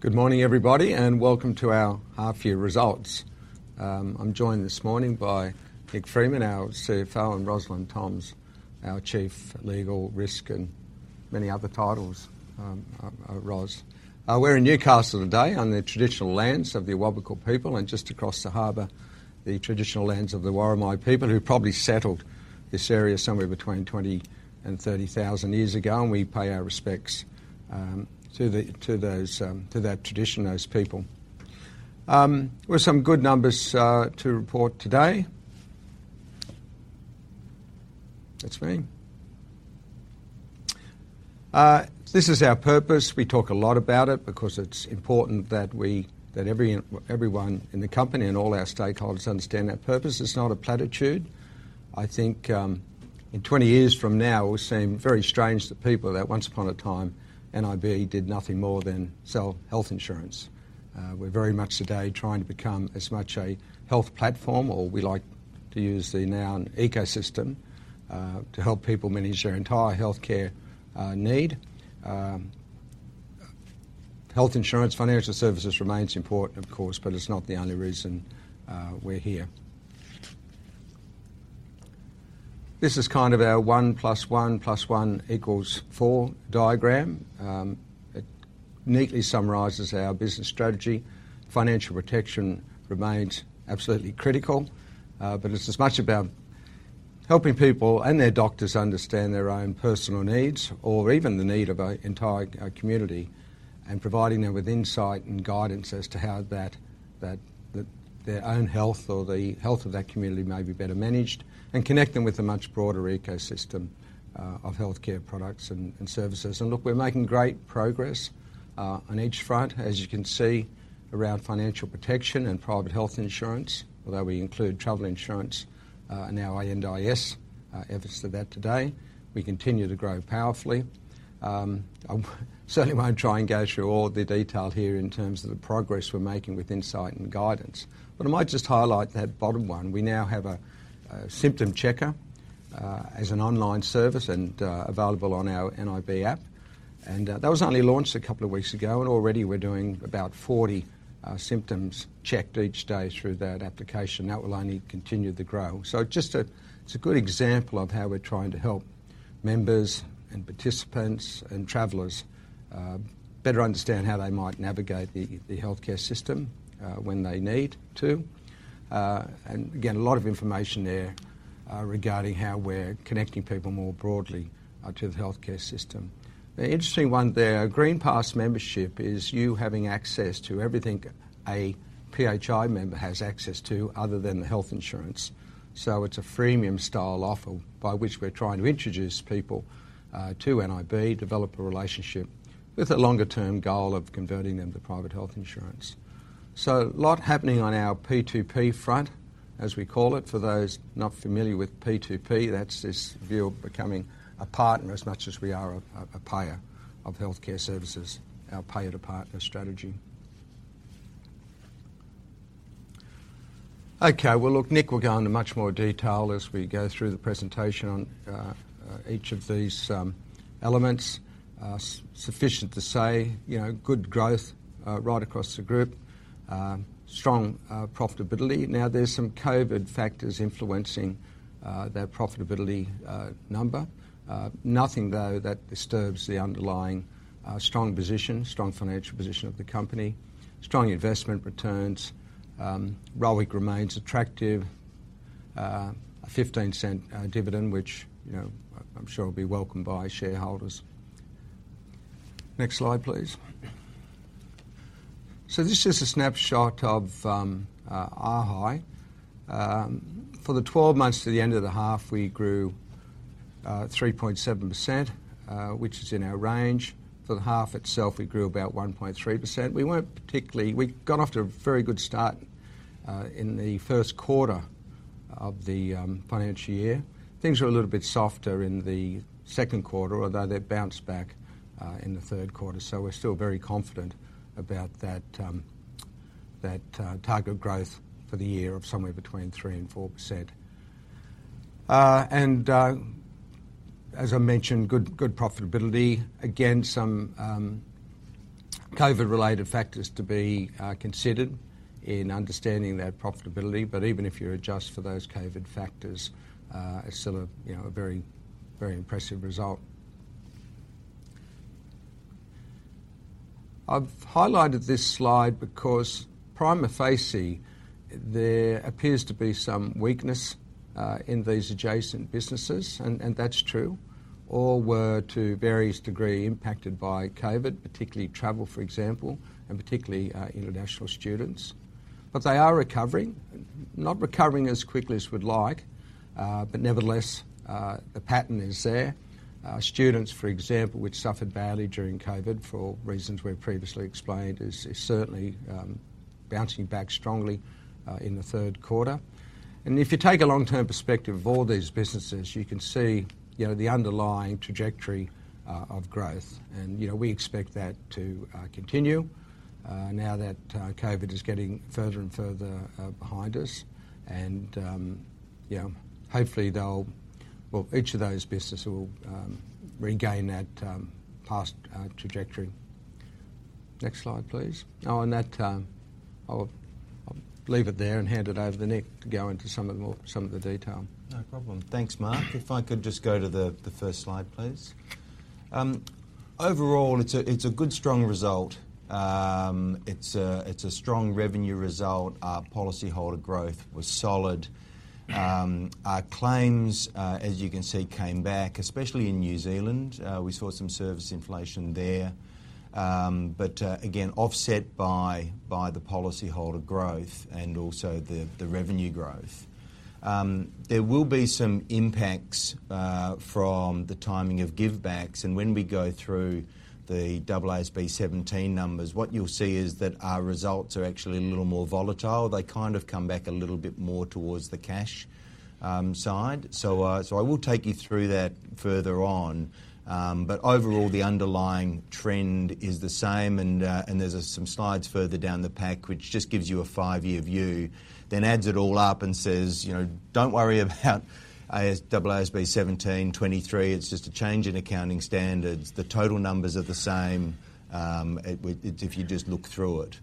Good morning, everybody, and welcome to our Half Year Results. I'm joined this morning by Nick Freeman, our CFO, and Roslyn Toms, our Chief Legal Risk and many other titles, Roz. We're in Newcastle today on the traditional lands of the Awabakal people and just across the harbour, the traditional lands of the Worimi people who probably settled this area somewhere between 20,000 and 30,000 years ago. We pay our respects to the tradition, those people. There were some good numbers to report today. That's me. This is our purpose. We talk a lot about it because it's important that we that everyone in the company and all our stakeholders understand that purpose. It's not a platitude. I think, in 20 years from now, it will seem very strange to people that once upon a time NIB did nothing more than sell health insurance. We're very much today trying to become as much a health platform, or we like to use the noun ecosystem, to help people manage their entire healthcare need. Health insurance, financial services remains important, of course, but it's not the only reason we're here. This is kind of our one plus one plus one equals four diagram. It neatly summarizes our business strategy. Financial protection remains absolutely critical. But it's as much about helping people and their doctors understand their own personal needs or even the need of an entire community and providing them with insight and guidance as to how that their own health or the health of that community may be better managed and connect them with a much broader ecosystem of healthcare products and services. And look, we're making great progress on each front, as you can see, around financial protection and private health insurance, although we include travel insurance, and now NDIS, evidence of that today. We continue to grow powerfully. I certainly won't try and go through all the detail here in terms of the progress we're making with insight and guidance. But I might just highlight that bottom one. We now have a Symptom Checker as an online service and available on our NIB app. That was only launched a couple of weeks ago. Already we're doing about 40 symptoms checked each day through that application. That will only continue to grow. So, it's a good example of how we're trying to help members and participants and travellers better understand how they might navigate the healthcare system when they need to. And again, a lot of information there regarding how we're connecting people more broadly to the healthcare system. The interesting one there, GreenPass membership, is you having access to everything a PHI member has access to other than the health insurance. So it's a freemium-style offer by which we're trying to introduce people to NIB, develop a relationship with a longer-term goal of converting them to private health insurance. So a lot happening on our P2P front, as we call it. For those not familiar with P2P, that's this view of becoming a partner as much as we are a payer of healthcare services, our payer-to-partner strategy. Okay. Well, look, Nick, we'll go into much more detail as we go through the presentation on each of these elements. Suffice to say, you know, good growth right across the group, strong profitability. Now there's some COVID factors influencing that profitability number. Nothing, though, that disturbs the underlying strong position, strong financial position of the company. Strong investment returns. ROIC remains attractive. An 0.15 dividend which, you know, I'm sure will be welcomed by shareholders. Next slide, please. So this is a snapshot of our H1. For the 12 months to the end of the half we grew 3.7%, which is in our range. For the half itself we grew about 1.3%. We weren't particularly we got off to a very good start in the first quarter of the financial year. Things were a little bit softer in the second quarter although they bounced back in the third quarter. So we're still very confident about that, that target growth for the year of somewhere between 3%-4%. As I mentioned, good good profitability. Again, some COVID-related factors to be considered in understanding that profitability. But even if you adjust for those COVID factors, it's still a you know a very, very impressive result. I've highlighted this slide because prima facie there appears to be some weakness in these adjacent businesses and and that's true. All were to various degree impacted by COVID, particularly travel for example, and particularly international students. But they are recovering. Not recovering as quickly as we'd like, but nevertheless, the pattern is there. Students, for example, which suffered badly during COVID for reasons we've previously explained is certainly bouncing back strongly in the third quarter. And if you take a long-term perspective of all these businesses you can see, you know, the underlying trajectory of growth. And, you know, we expect that to continue now that COVID is getting further and further behind us. And, you know, hopefully they'll, well, each of those businesses will regain that past trajectory. Next slide, please. Oh, and that, I'll leave it there and hand it over to Nick to go into some of the more detail. No problem. Thanks, Mark. If I could just go to the first slide, please. Overall, it's a good strong result. It's a strong revenue result. Our policyholder growth was solid. Our claims, as you can see, came back, especially in New Zealand. We saw some service inflation there. But, again, offset by the policyholder growth and also the revenue growth. There will be some impacts from the timing of give-backs. And when we go through the AASB 17 numbers, what you'll see is that our results are actually a little more volatile. They kind of come back a little bit more towards the cash side. So I will take you through that further on. But overall, the underlying trend is the same. And there's some slides further down the pack which just gives you a five-year view. Then adds it all up and says, you know, don't worry about AASB 17, '23. It's just a change in accounting standards. The total numbers are the same, it if you just look through it.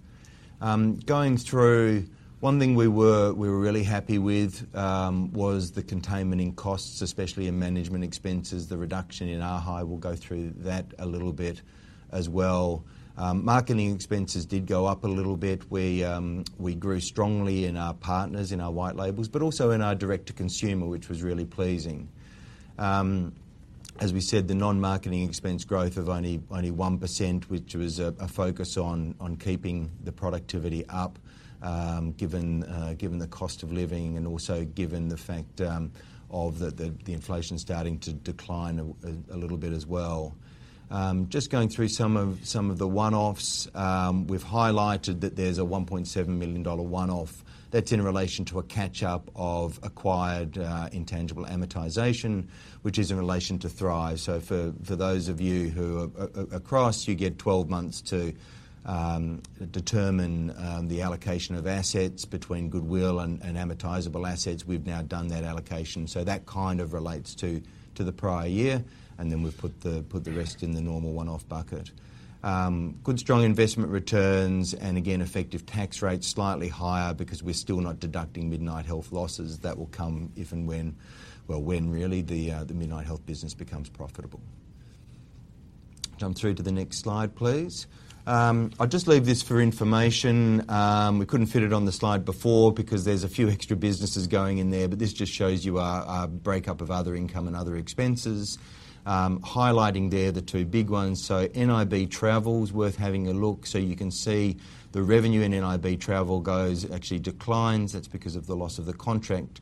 Going through, one thing we were really happy with was the containment in costs, especially in management expenses. The reduction in arhi. We'll go through that a little bit as well. Marketing expenses did go up a little bit. We grew strongly in our partners, in our white labels, but also in our direct-to-consumer which was really pleasing. As we said, the non-marketing expense growth of only 1% which was a focus on keeping the productivity up, given the cost of living and also given the fact that the inflation starting to decline a little bit as well. Just going through some of the one-offs. We've highlighted that there's a 1.7 million dollar one-off. That's in relation to a catch-up of acquired intangible amortization, which is in relation to Thrive. So for those of you who are across, you get 12 months to determine the allocation of assets between goodwill and amortizable assets. We've now done that allocation. So that kind of relates to the prior year. And then we've put the rest in the normal one-off bucket. Good strong investment returns and again, effective tax rates slightly higher because we're still not deducting Midnight Health losses. That will come if and when, well, when really the Midnight Health business becomes profitable. Jump through to the next slide, please. I'll just leave this for information. We couldn't fit it on the slide before because there's a few extra businesses going in there. But this just shows you our our breakup of other income and other expenses, highlighting there the two big ones. So NIB Travel is worth having a look. So you can see the revenue in NIB Travel goes actually declines. That's because of the loss of the contract.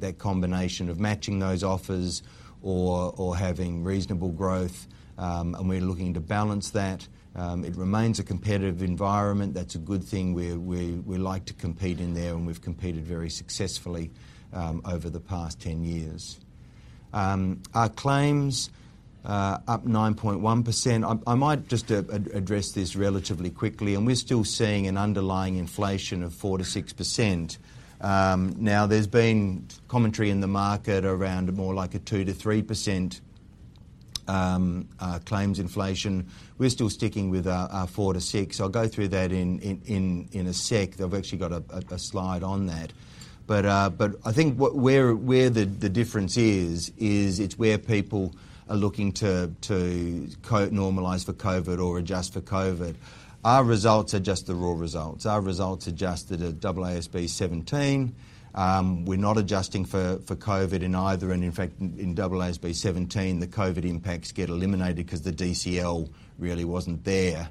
Their combination of matching those offers or or having reasonable growth, and we're looking to balance that. It remains a competitive environment. That's a good thing. We're we're we like to compete in there and we've competed very successfully, over the past 10 years. Our claims, up 9.1%. I I might just address this relatively quickly. And we're still seeing an underlying inflation of 4%-6%. Now there's been commentary in the market around more like a 2%-3% claims inflation. We're still sticking with our 4%-6%. I'll go through that in a sec. I've actually got a slide on that. But I think what the difference is it's where people are looking to normalize for COVID or adjust for COVID. Our results are just the raw results. Our results adjusted at AASB 17. We're not adjusting for COVID in either. And in fact, in AASB 17 the COVID impacts get eliminated because the DCL really wasn't there.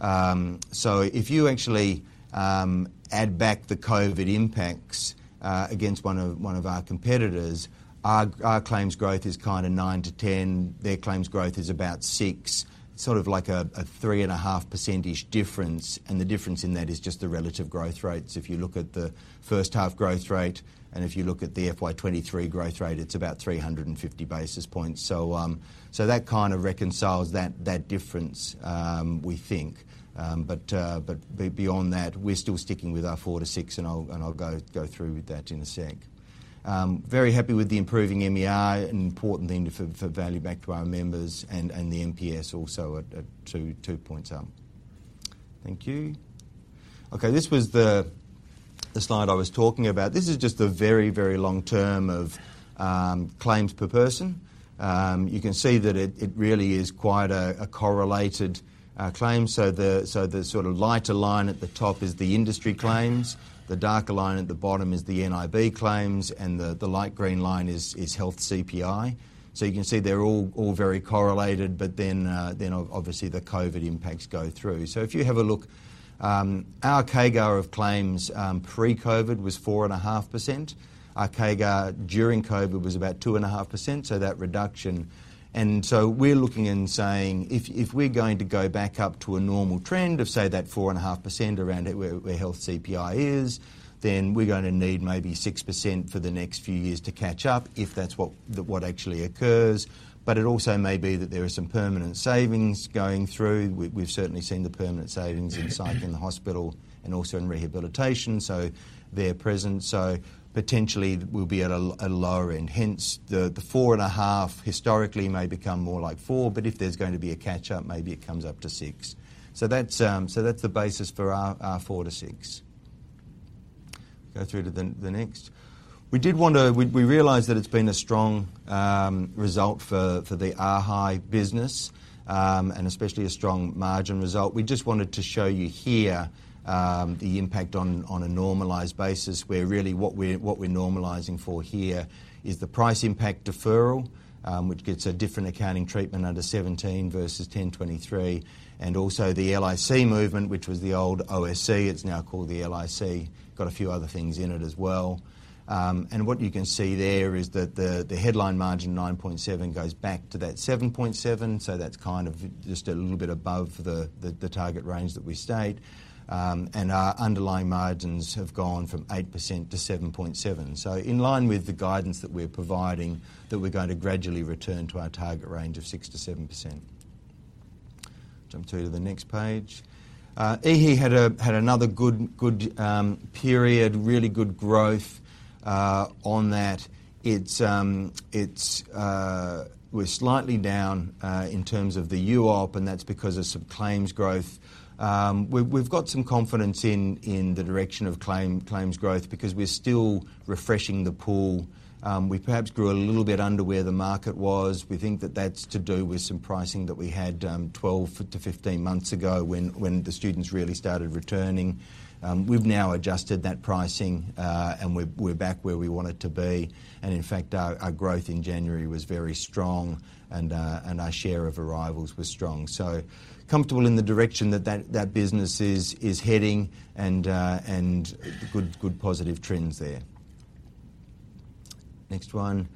So if you actually add back the COVID impacts against one of our competitors, our claims growth is kind of 9%-10%. Their claims growth is about 6%. It's sort of like a 3.5%-ish difference. And the difference in that is just the relative growth rates. If you look at the first-half growth rate and if you look at the FY 2023 growth rate it's about 350 basis points. So that kind of reconciles that difference, we think. But beyond that we're still sticking with our 4%-6%. And I'll go through that in a sec. Very happy with the improving MER. An important thing to value back to our members. And the NPS also at two points up. Thank you. Okay. This was the slide I was talking about. This is just the very long-term of claims per person. You can see that it really is quite a correlated claim. So the sort of lighter line at the top is the industry claims. The darker line at the bottom is the NIB claims. And the light green line is Health CPI. So you can see they're all very correlated. But then obviously the COVID impacts go through. So if you have a look, our CAGR of claims, pre-COVID was 4.5%. Our CAGR during COVID was about 2.5%. So that reduction and so we're looking and saying if we're going to go back up to a normal trend of say that 4.5% around where Health CPI is then we're going to need maybe 6% for the next few years to catch up if that's what actually occurs. But it also may be that there are some permanent savings going through. We've certainly seen the permanent savings in psych in the hospital and also in rehabilitation. So they're present. So potentially we'll be at a lower end. Hence the four and a half historically may become more like four. But if there's going to be a catch-up maybe it comes up to six. So that's, so that's the basis for our four to-six. Go through to the next. We did want to; we realized that it's been a strong result for the our health business, and especially a strong margin result. We just wanted to show you here the impact on a normalized basis where really what we're what we're normalizing for here is the price impact deferral, which gets a different accounting treatment under AASB 17 versus AASB 1023. Also the LIC movement, which was the old OCL. It's now called the LIC. Got a few other things in it as well. What you can see there is that the headline margin 9.7 goes back to that 7.7. So that's kind of just a little bit above the target range that we state. Our underlying margins have gone from 8% to 7.7%. So in line with the guidance that we're providing that we're going to gradually return to our target range of 6%-7%. Jump through to the next page. IIHI had another good period. Really good growth on that. It's we're slightly down in terms of the UOP. And that's because of some claims growth. We've got some confidence in the direction of claims growth because we're still refreshing the pool. We perhaps grew a little bit under where the market was. We think that that's to do with some pricing that we had, 12-15 months ago when the students really started returning. We've now adjusted that pricing, and we're back where we wanted to be. And in fact our growth in January was very strong. And our share of arrivals was strong. So comfortable in the direction that business is heading. And good positive trends there. Next one.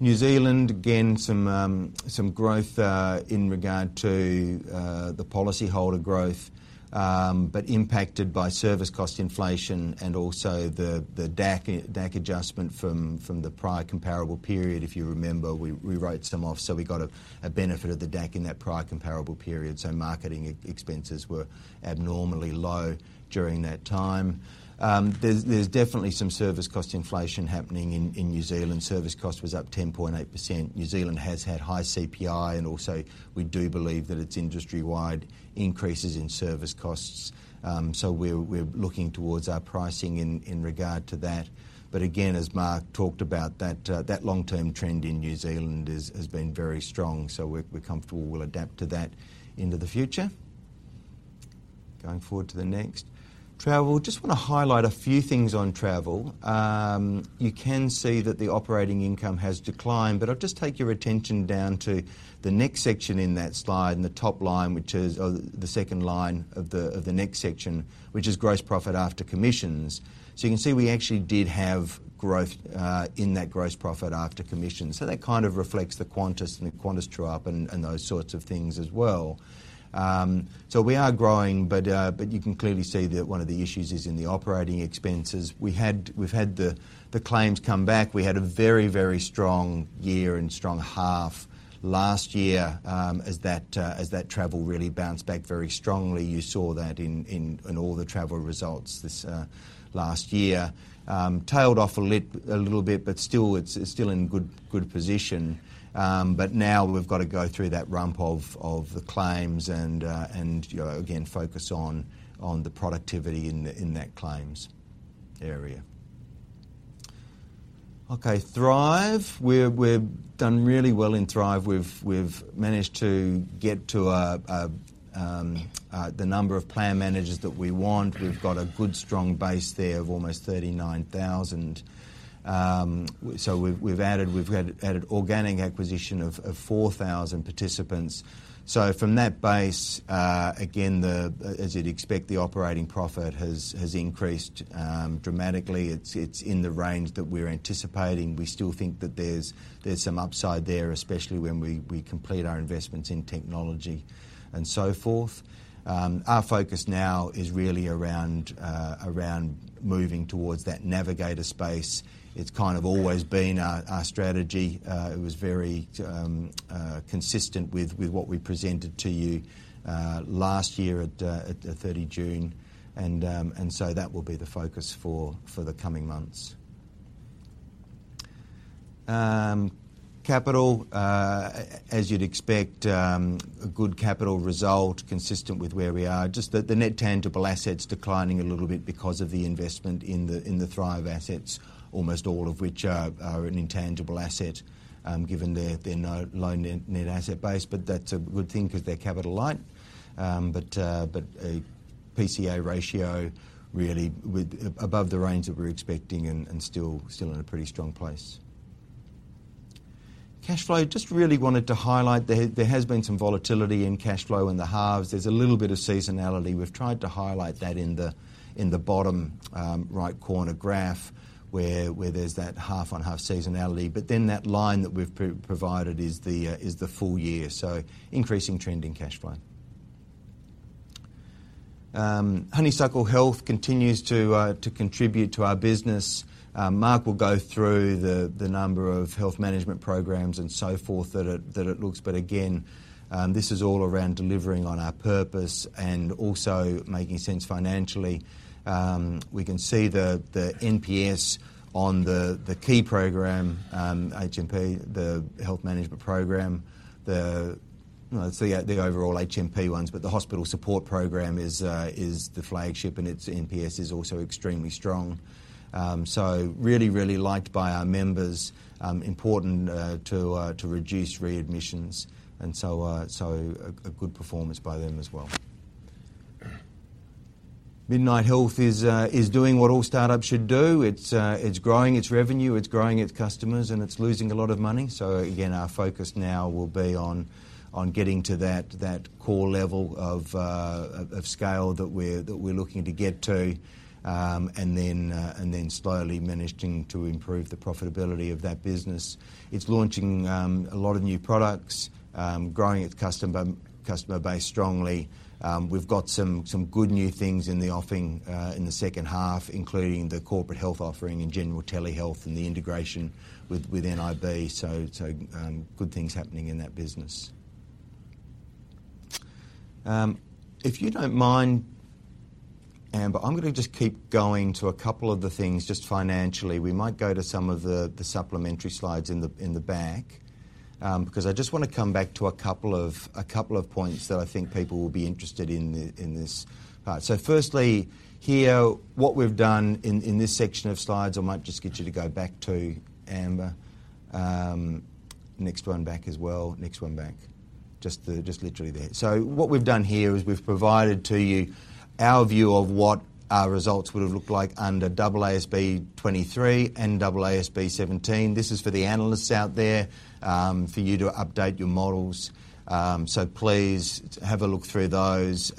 New Zealand. Again some growth in regard to the policyholder growth, but impacted by service cost inflation and also the DAC adjustment from the prior comparable period. If you remember we wrote some off. So we got a benefit of the DAC in that prior comparable period. So marketing expenses were abnormally low during that time. There's definitely some service cost inflation happening in New Zealand. Service cost was up 10.8%. New Zealand has had high CPI. And also we do believe that it's industry-wide increases in service costs. So we're looking towards our pricing in regard to that. But again as Mark talked about, that long-term trend in New Zealand has been very strong. So we're comfortable. We'll adapt to that into the future. Going forward to the next. Travel. Just want to highlight a few things on travel. You can see that the operating income has declined. But I'll just take your attention down to the next section in that slide in the top line which is or the second line of the next section which is gross profit after commissions. So you can see we actually did have growth in that gross profit after commissions. So that kind of reflects the Qantas and the Qantas true-up and those sorts of things as well. So we are growing. But you can clearly see that one of the issues is in the operating expenses. We've had the claims come back. We had a very, very strong year and strong half last year, as that travel really bounced back very strongly. You saw that in all the travel results this last year. Tailed off a little bit but still it's still in good position. But now we've got to go through that rump of the claims and, you know, again focus on the productivity in that claims area. Okay. Thrive. We're done really well in Thrive. We've managed to get to the number of plan managers that we want. We've got a good strong base there of almost 39,000. So we've added organic acquisition of 4,000 participants. So from that base, again as you'd expect the operating profit has increased dramatically. It's in the range that we're anticipating. We still think that there's some upside there especially when we complete our investments in technology and so forth. Our focus now is really around moving towards that Navigator space. It's kind of always been our strategy. It was very consistent with what we presented to you last year at 30 June. And so that will be the focus for the coming months. Capital. As you'd expect, a good capital result consistent with where we are. Just the net tangible assets declining a little bit because of the investment in the Thrive assets. Almost all of which are an intangible asset, given their no loan net asset base. But that's a good thing because they're capital light. But a PCA ratio really with above the range that we're expecting and still in a pretty strong place. Cash flow. Just really wanted to highlight there has been some volatility in cash flow in the halves. There's a little bit of seasonality. We've tried to highlight that in the bottom, right corner graph where there's that half on half seasonality. But then that line that we've provided is the full year. So increasing trending cash flow. Honeysuckle Health continues to contribute to our business. Mark will go through the number of health management programs and so forth that it looks. But again, this is all around delivering on our purpose and also making sense financially. We can see the NPS on the key program, HMP, the health management program. You know, it's the overall HMP ones. But the hospital support program is the flagship. And its NPS is also extremely strong, so really liked by our members. Important to reduce readmissions. And so a good performance by them as well. Midnight Health is doing what all startups should do. It's growing its revenue. It's growing its customers. And it's losing a lot of money. So again our focus now will be on getting to that core level of scale that we're looking to get to, and then slowly managing to improve the profitability of that business. It's launching a lot of new products, growing its customer base strongly. We've got some good new things in the offering in the second half including the corporate health offering and general telehealth and the integration with NIB. So good things happening in that business. If you don't mind, Amber, I'm going to just keep going to a couple of the things just financially. We might go to some of the supplementary slides in the back, because I just want to come back to a couple of points that I think people will be interested in in this part. So firstly here what we've done in this section of slides I might just get you to go back to, Amber. Next one back as well. Next one back. Just literally there. So what we've done here is we've provided to you our view of what our results would have looked like under AASB 1023 and AASB 17. This is for the analysts out there, for you to update your models. So please have a look through those.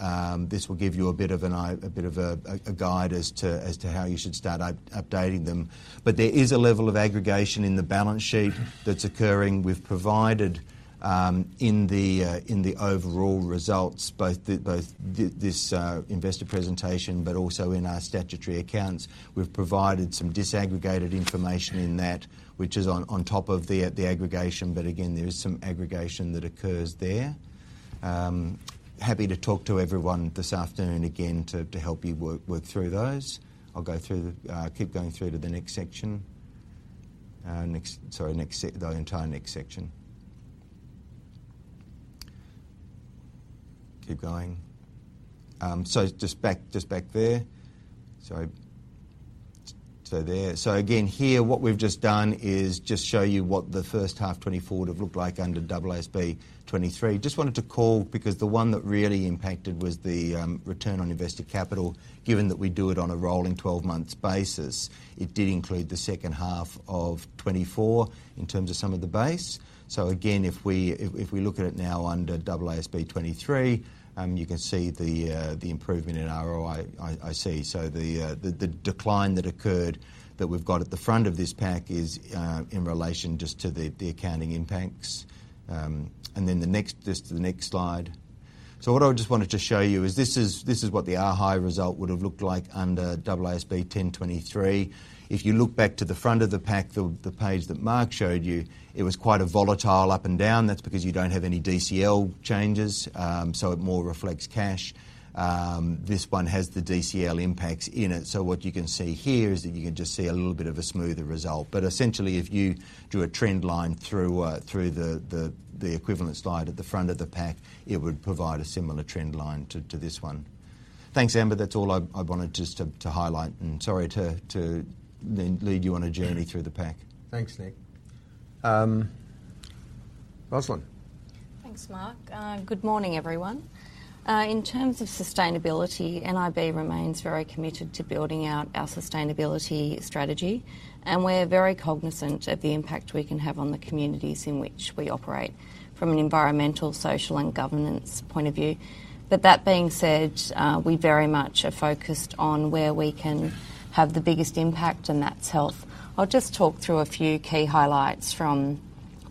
This will give you a bit of a guide as to how you should start updating them. But there is a level of aggregation in the balance sheet that's occurring. We've provided, in the overall results, both this investor presentation but also in our statutory accounts. We've provided some disaggregated information in that which is on top of the aggregation. But again there is some aggregation that occurs there. Happy to talk to everyone this afternoon again to help you work through those. I'll go through the, keep going through to the next section. Next, the entire next section. Keep going. So just back there. Sorry. So there. So again here what we've just done is just show you what the first half 2024 would have looked like under AASB 1023. Just wanted to call because the one that really impacted was the return on invested capital. Given that we do it on a rolling 12-month basis, it did include the second half of 2024 in terms of some of the base. So again, if we look at it now under AASB 1023, you can see the improvement in ROI, I see. So the decline that occurred that we've got at the front of this pack is in relation just to the accounting impacts. And then, next, just to the next slide. So what I just wanted to show you is this is what ARHI sult would have looked like under AASB 1023. If you look back to the front of the pack, the page that Mark showed you, it was quite a volatile up and down. That's because you don't have any DCL changes, so it more reflects cash. This one has the DCL impacts in it. So what you can see here is that you can just see a little bit of a smoother result. But essentially if you drew a trend line through the equivalent slide at the front of the pack it would provide a similar trend line to this one. Thanks, Amber. That's all I wanted just to highlight. And sorry to lead you on a journey through the pack. Thanks, Nick. Roslyn. Thanks, Mark. Good morning, everyone. In terms of sustainability, NIB remains very committed to building out our sustainability strategy. And we're very cognizant of the impact we can have on the communities in which we operate from an environmental, social, and governance point of view. But that being said, we very much are focused on where we can have the biggest impact and that's health. I'll just talk through a few key highlights from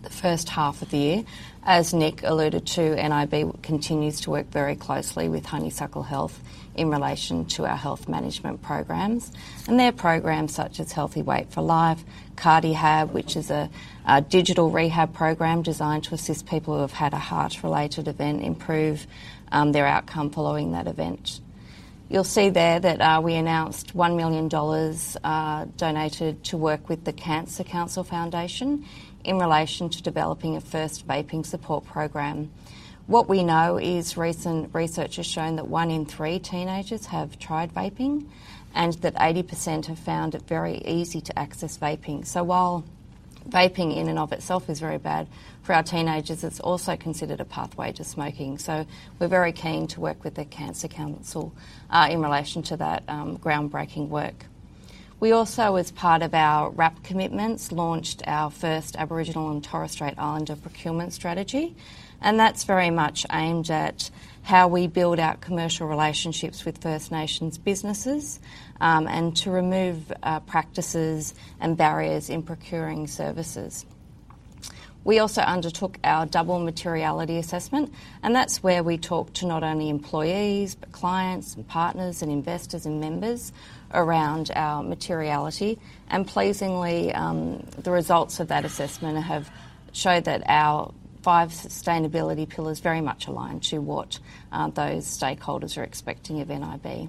the first half of the year. As Nick alluded to, NIB continues to work very closely with Honeysuckle Health in relation to our health management programs. Their programs such as Healthy Weight for Life, Cardihab which is a digital rehab program designed to assist people who have had a heart-related event improve their outcome following that event. You'll see there that we announced 1 million dollars donated to work with the Cancer Council Foundation in relation to developing a first vaping support program. What we know is recent research has shown that one in three teenagers have tried vaping and that 80% have found it very easy to access vaping. So while vaping in and of itself is very bad for our teenagers it's also considered a pathway to smoking. So we're very keen to work with the Cancer Council in relation to that groundbreaking work. We also as part of our RAP commitments launched our first Aboriginal and Torres Strait Islander procurement strategy. That's very much aimed at how we build out commercial relationships with First Nations businesses, and to remove practices and barriers in procuring services. We also undertook our double materiality assessment. That's where we talked to not only employees but clients and partners and investors and members around our materiality. Pleasingly, the results of that assessment have showed that our five sustainability pillars very much align to what those stakeholders are expecting of NIB.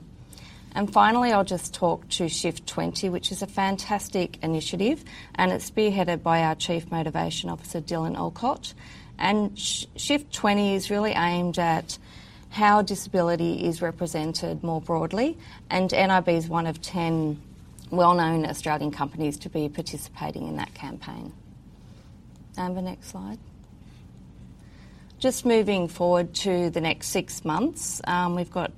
Finally, I'll just talk to Shift 20 which is a fantastic initiative. It's spearheaded by our Chief Motivation Officer Dylan Alcott. Shift 20 is really aimed at how disability is represented more broadly. NIB is one of 10 well-known Australian companies to be participating in that campaign. Amber, next slide. Just moving forward to the next six months, we've got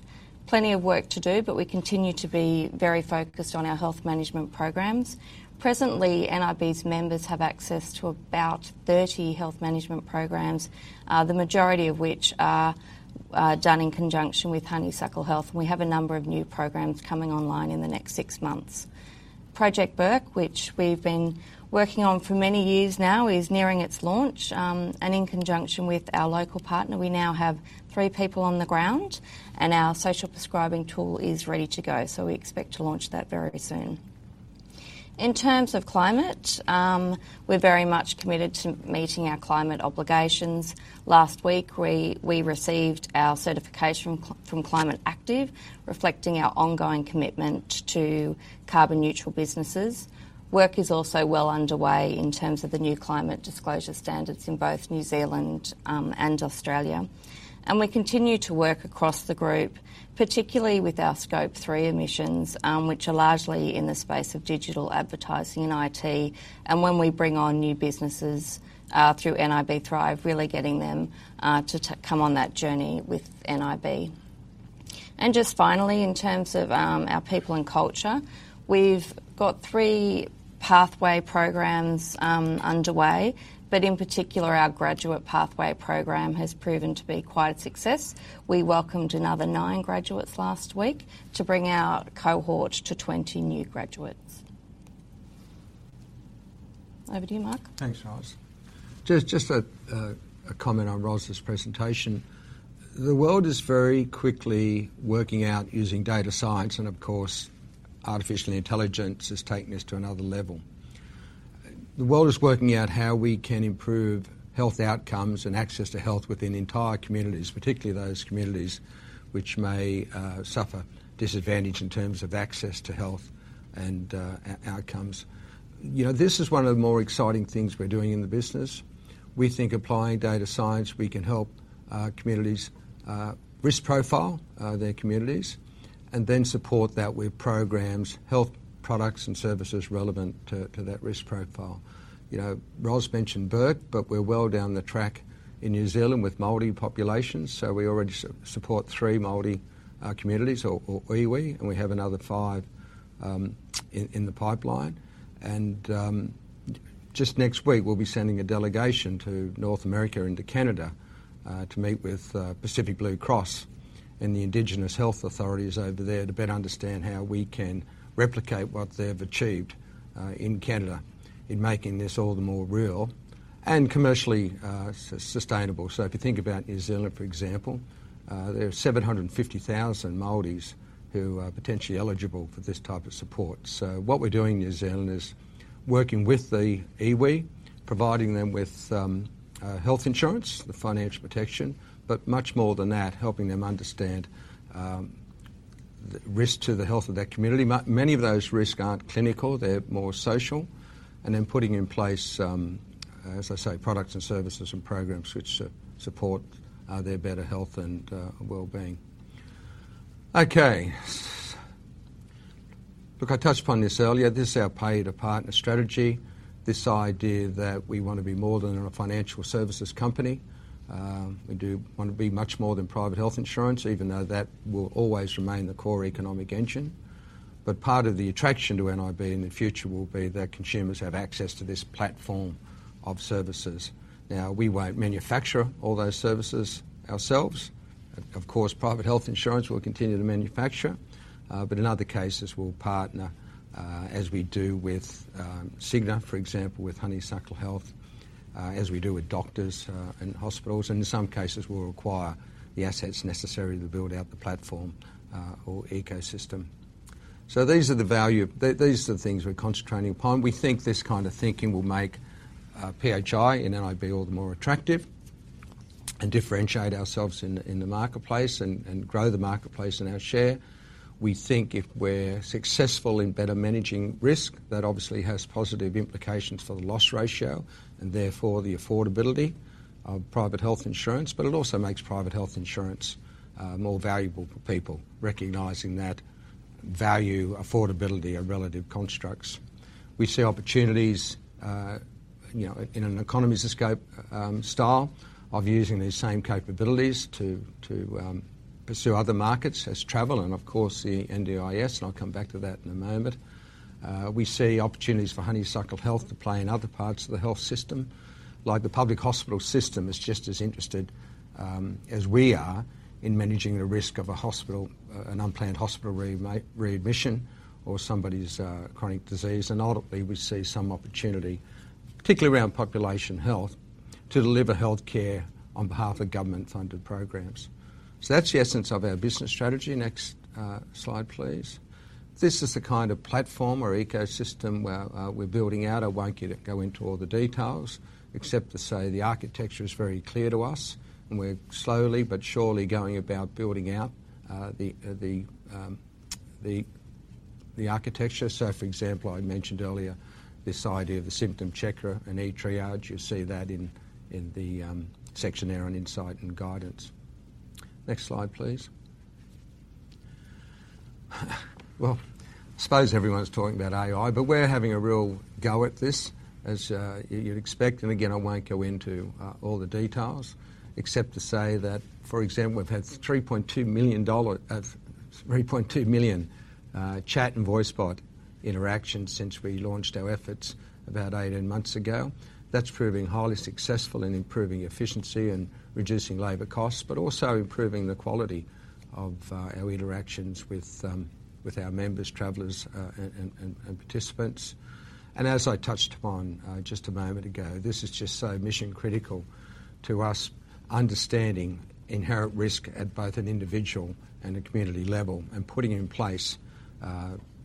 plenty of work to do but we continue to be very focused on our health management programs. Presently NIB's members have access to about 30 health management programs, the majority of which are done in conjunction with Honeysuckle Health. And we have a number of new programs coming online in the next six months. Project Bourke which we've been working on for many years now is nearing its launch, and in conjunction with our local partner we now have three people on the ground and our social prescribing tool is ready to go. So we expect to launch that very soon. In terms of climate, we're very much committed to meeting our climate obligations. Last week we received our certification from Climate Active reflecting our ongoing commitment to carbon neutral businesses. Work is also well underway in terms of the new climate disclosure standards in both New Zealand and Australia. We continue to work across the group, particularly with our scope three emissions, which are largely in the space of digital advertising and IT. And when we bring on new businesses through NIB Thrive, really getting them to come on that journey with NIB. And just finally in terms of our people and culture, we've got three pathway programs underway. But in particular, our graduate pathway program has proven to be quite a success. We welcomed another nine graduates last week to bring our cohort to 20 new graduates. Over to you, Mark. Thanks, Roz. Just a comment on Roz presentation. The world is very quickly working out using data science, and of course artificial intelligence has taken us to another level. The world is working out how we can improve health outcomes and access to health within entire communities, particularly those communities which may suffer disadvantage in terms of access to health and outcomes. You know, this is one of the more exciting things we're doing in the business. We think applying data science we can help communities risk profile their communities and then support that with programs, health products, and services relevant to that risk profile. You know, Ros mentioned Bourke but we're well down the track in New Zealand with Māori populations. So we already support three Māori communities or Iwi and we have another five in the pipeline. Just next week we'll be sending a delegation to North America and to Canada, to meet with Pacific Blue Cross and the Indigenous Health Authorities over there to better understand how we can replicate what they've achieved in Canada in making this all the more real and commercially sustainable. So if you think about New Zealand for example, there are 750,000 Māori who potentially are eligible for this type of support. So what we're doing in New Zealand is working with the iwi, providing them with health insurance, the financial protection, but much more than that helping them understand the risks to the health of their community. Many of those risks aren't clinical. They're more social. And then putting in place, as I say, products and services and programs which support their better health and well-being. Okay. Look, I touched upon this earlier. This is our payer-to-partner strategy. This idea that we want to be more than a financial services company. We do want to be much more than private health insurance even though that will always remain the core economic engine. But part of the attraction to NIB in the future will be that consumers have access to this platform of services. Now we won't manufacture all those services ourselves. Of course private health insurance will continue to manufacture. But in other cases we'll partner, as we do with Cigna for example with Honeysuckle Health, as we do with doctors and hospitals. And in some cases we'll acquire the assets necessary to build out the platform, or ecosystem. So these are the value these are the things we're concentrating upon. We think this kind of thinking will make PHI in NIB all the more attractive and differentiate ourselves in the marketplace and grow the marketplace and our share. We think if we're successful in better managing risk that obviously has positive implications for the loss ratio and therefore the affordability of private health insurance. But it also makes private health insurance more valuable for people recognizing that value, affordability are relative constructs. We see opportunities, you know, in an economies of scope style of using these same capabilities to pursue other markets as travel and of course the NDIS and I'll come back to that in a moment. We see opportunities for Honeysuckle Health to play in other parts of the health system like the public hospital system is just as interested as we are in managing the risk of a hospital, an unplanned hospital readmission or somebody's chronic disease. Ultimately we see some opportunity particularly around population health to deliver healthcare on behalf of government-funded programs. That's the essence of our business strategy. Next, slide please. This is the kind of platform or ecosystem where we're building out. I won't get to go into all the details except to say the architecture is very clear to us and we're slowly but surely going about building out the architecture. So for example I mentioned earlier this idea of the Symptom Checker and e-triage. You see that in the section there on insight and guidance. Next slide please. Well, I suppose everyone's talking about AI, but we're having a real go at this, as you'd expect. Again, I won't go into all the details except to say that, for example, we've had 3.2 million chat and voice bot interaction since we launched our efforts about 18 months ago. That's proving highly successful in improving efficiency and reducing labor costs, but also improving the quality of our interactions with our members, travelers, and participants. As I touched upon just a moment ago, this is just so mission critical to us understanding inherent risk at both an individual and a community level and putting in place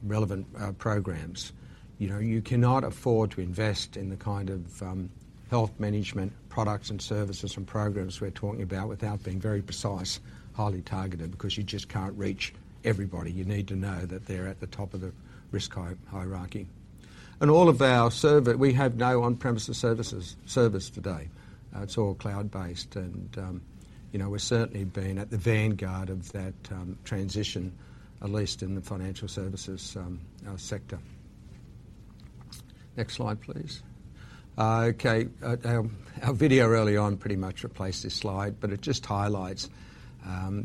relevant programs. You know, you cannot afford to invest in the kind of health management products and services and programs we're talking about without being very precise, highly targeted because you just can't reach everybody. You need to know that they're at the top of the risk hierarchy. All of our server we have no on-premises services today. It's all cloud-based. You know, we're certainly being at the vanguard of that transition at least in the financial services sector. Next slide please. Okay. Our video early on pretty much replaced this slide but it just highlights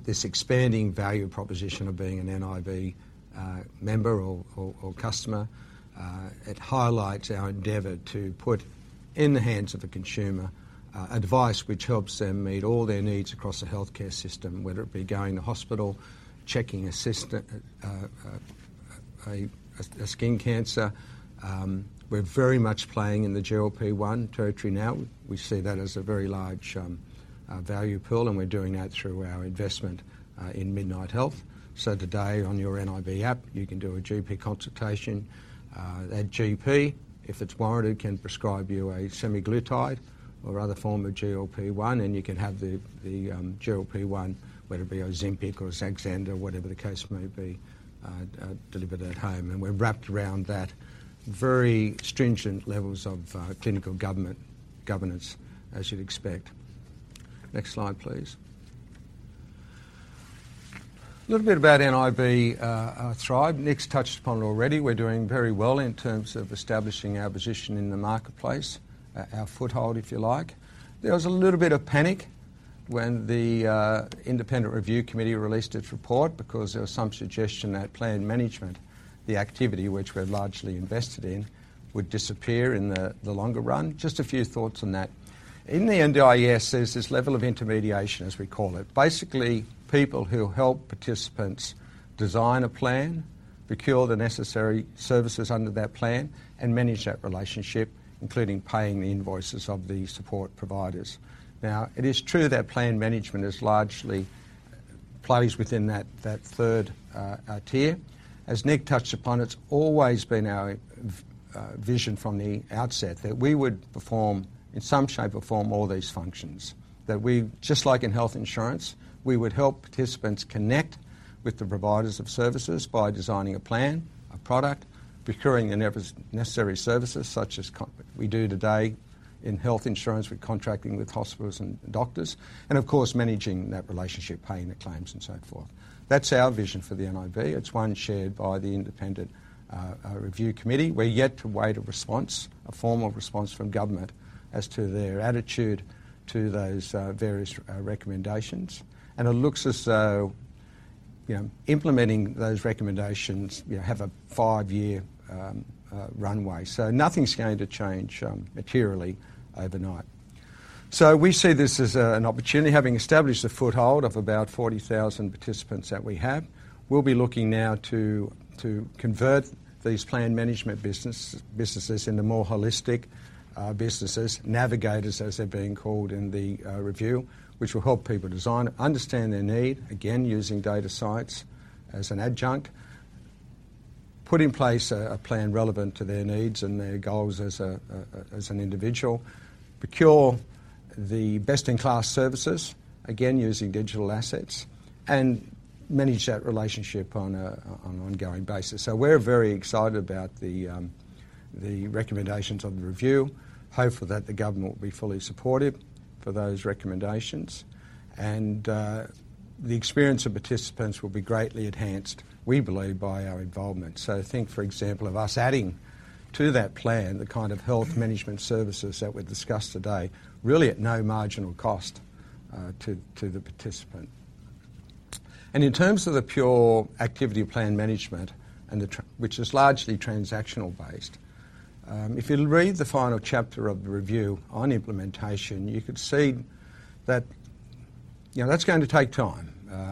this expanding value proposition of being an NIB member or customer. It highlights our endeavour to put in the hands of a consumer advice which helps them meet all their needs across the healthcare system whether it be going to hospital, checking assistance a skin cancer. We're very much playing in the GLP-1 territory now. We see that as a very large value pool and we're doing that through our investment in Midnight Health. So today on your NIB app you can do a GP consultation. That GP if it's warranted can prescribe you a semaglutide or other form of GLP-1 and you can have the the, GLP-1 whether it be Ozempic or Saxenda or whatever the case may be, delivered at home. And we're wrapped around that very stringent levels of clinical governance as you'd expect. Next slide please. A little bit about NIB Thrive. Nick's touched upon it already. We're doing very well in terms of establishing our position in the marketplace, our foothold if you like. There was a little bit of panic when the Independent Review Committee released its report because there was some suggestion that plan management, the activity which we're largely invested in, would disappear in the the longer run. Just a few thoughts on that. In the NDIS there's this level of intermediation as we call it. Basically people who help participants design a plan, procure the necessary services under that plan, and manage that relationship including paying the invoices of the support providers. Now it is true that plan management largely plays within that third tier. As Nick touched upon it's always been our vision from the outset that we would perform, in some shape or form, all these functions. That we, just like in health insurance, we would help participants connect with the providers of services by designing a plan, a product, procuring the necessary services such as we do today in health insurance with contracting with hospitals and doctors and of course managing that relationship, paying the claims and so forth. That's our vision for the NIB. It's one shared by the Independent Review Committee. We're yet to await a response, a formal response from government as to their attitude to those various recommendations. And it looks as though, you know, implementing those recommendations, you know, have a five-year runway. So nothing's going to change materially overnight. So we see this as an opportunity having established a foothold of about 40,000 participants that we have. We'll be looking now to convert these plan management businesses into more holistic businesses, navigators as they're being called in the review, which will help people design, understand their need, again using data science as an adjunct, put in place a plan relevant to their needs and their goals as an individual, procure the best-in-class services again using digital assets, and manage that relationship on an ongoing basis. So we're very excited about the recommendations of the review. Hopefully that the government will be fully supportive for those recommendations. And, the experience of participants will be greatly enhanced we believe by our involvement. So think for example of us adding to that plan the kind of health management services that we've discussed today really at no marginal cost to the participant. And in terms of the pure activity plan management and the which is largely transactional-based, if you read the final chapter of the review on implementation you could see that, you know, that's going to take time.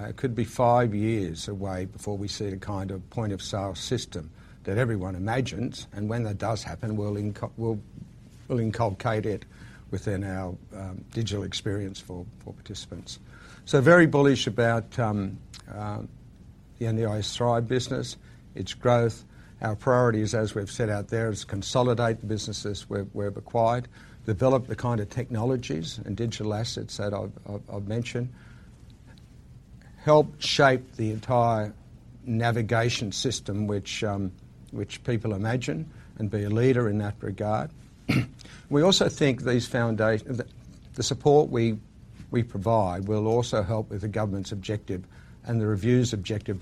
It could be five years away before we see the kind of point-of-sale system that everyone imagines and when that does happen we'll inculcate it within our digital experience for participants. So very bullish about the NIB Thrive business, its growth. Our priority is as we've set out there is to consolidate the businesses we've acquired, develop the kind of technologies and digital assets that I've mentioned, help shape the entire navigation system which people imagine, and be a leader in that regard. We also think these foundations, the support we provide will also help with the government's objective and the review's objective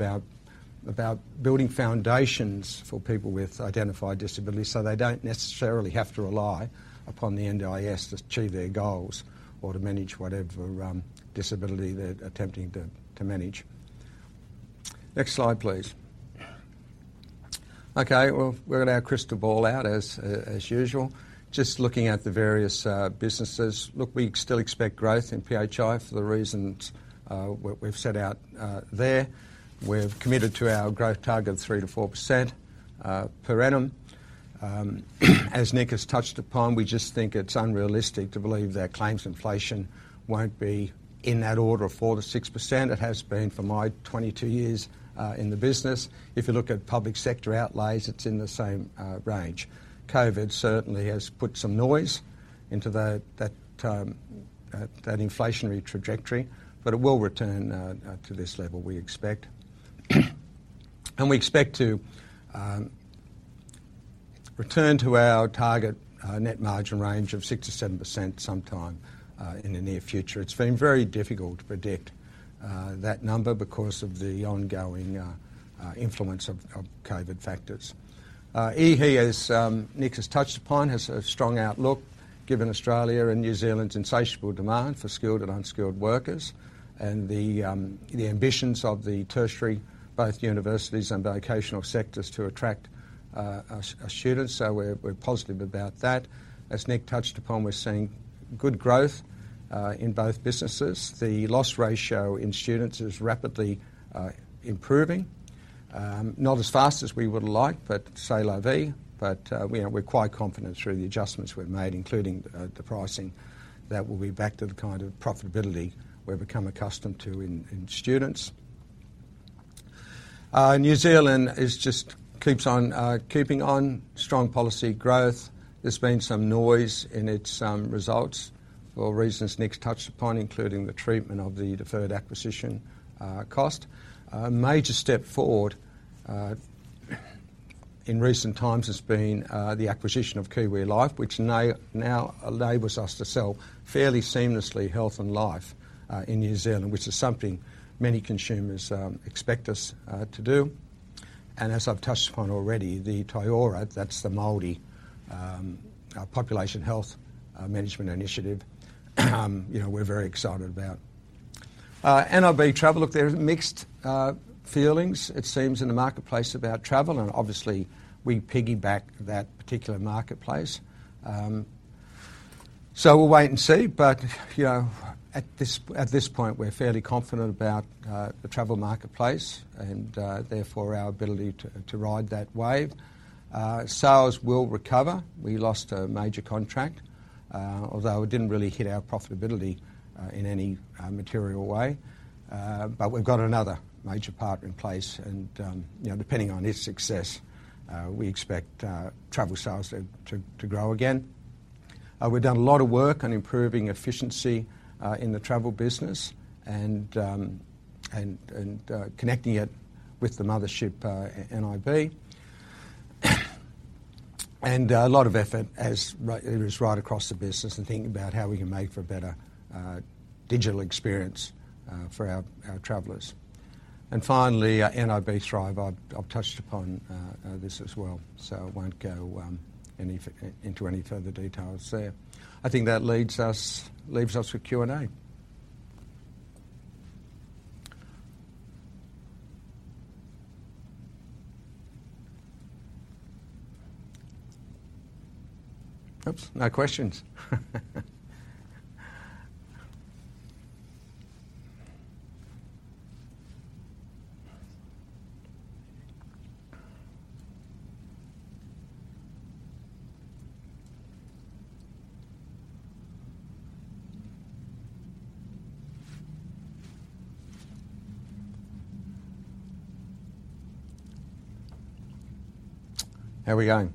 about building foundations for people with identified disabilities so they don't necessarily have to rely upon the NDIS to achieve their goals or to manage whatever disability they're attempting to manage. Next slide please. Okay. Well, we've got our crystal ball out as usual. Just looking at the various businesses. Look, we still expect growth in PHI for the reasons we've set out there. We've committed to our growth target of 3%-4% per annum. As Nick has touched upon, we just think it's unrealistic to believe that claims inflation won't be in that order of 4%-6%. It has been for my 22 years in the business. If you look at public sector outlays, it's in the same range. COVID certainly has put some noise into that inflationary trajectory, but it will return to this level we expect. And we expect to return to our target net margin range of 6%-7% sometime in the near future. It's been very difficult to predict that number because of the ongoing influence of COVID factors. EHE, as Nick has touched upon, has a strong outlook given Australia and New Zealand's insatiable demand for skilled and unskilled workers and the ambitions of the tertiary, both universities and vocational sectors to attract students. So we're positive about that. As Nick touched upon, we're seeing good growth in both businesses. The loss ratio in students is rapidly improving, not as fast as we would have liked but c'est la vie, but you know, we're quite confident through the adjustments we've made including the pricing that will be back to the kind of profitability we've become accustomed to in students. New Zealand is just keeps on keeping on strong policy growth. There's been some noise in its results for reasons Nick's touched upon including the treatment of the deferred acquisition cost. A major step forward in recent times has been the acquisition of Kiwi Life which now enables us to sell fairly seamlessly health and life in New Zealand which is something many consumers expect us to do. And as I've touched upon already the Toi Ora, that's the Māori Population Health Management Initiative, you know, we're very excited about. NIB Travel, look, there's mixed feelings it seems in the marketplace about travel and obviously we piggyback that particular marketplace. So we'll wait and see but, you know, at this point we're fairly confident about the travel marketplace and, therefore our ability to ride that wave. Sales will recover. We lost a major contract, although it didn't really hit our profitability in any material way. But we've got another major partner in place and, you know, depending on his success, we expect travel sales to grow again. We've done a lot of work on improving efficiency in the travel business and connecting it with the mothership, NIB. And a lot of effort as it is right across the business and thinking about how we can make for a better digital experience for our travelers. And finally NIB Thrive. I've touched upon this as well so I won't go into any further details there. I think that leaves us with Q&A. Oops. No questions. How are we going?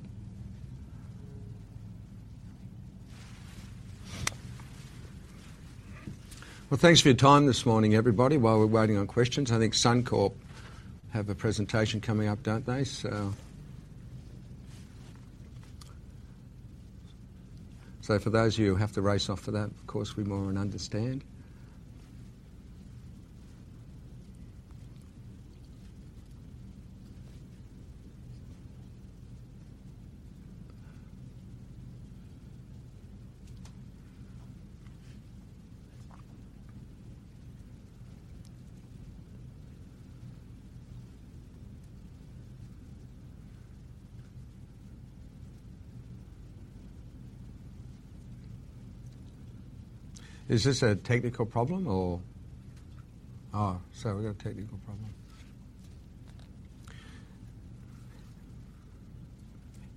Well, thanks for your time this morning everybody while we're waiting on questions. I think Suncorp have a presentation coming up don't they? So for those of you who have to race off for that of course we more than understand. Is this a technical problem or? Oh, so we've got a technical problem.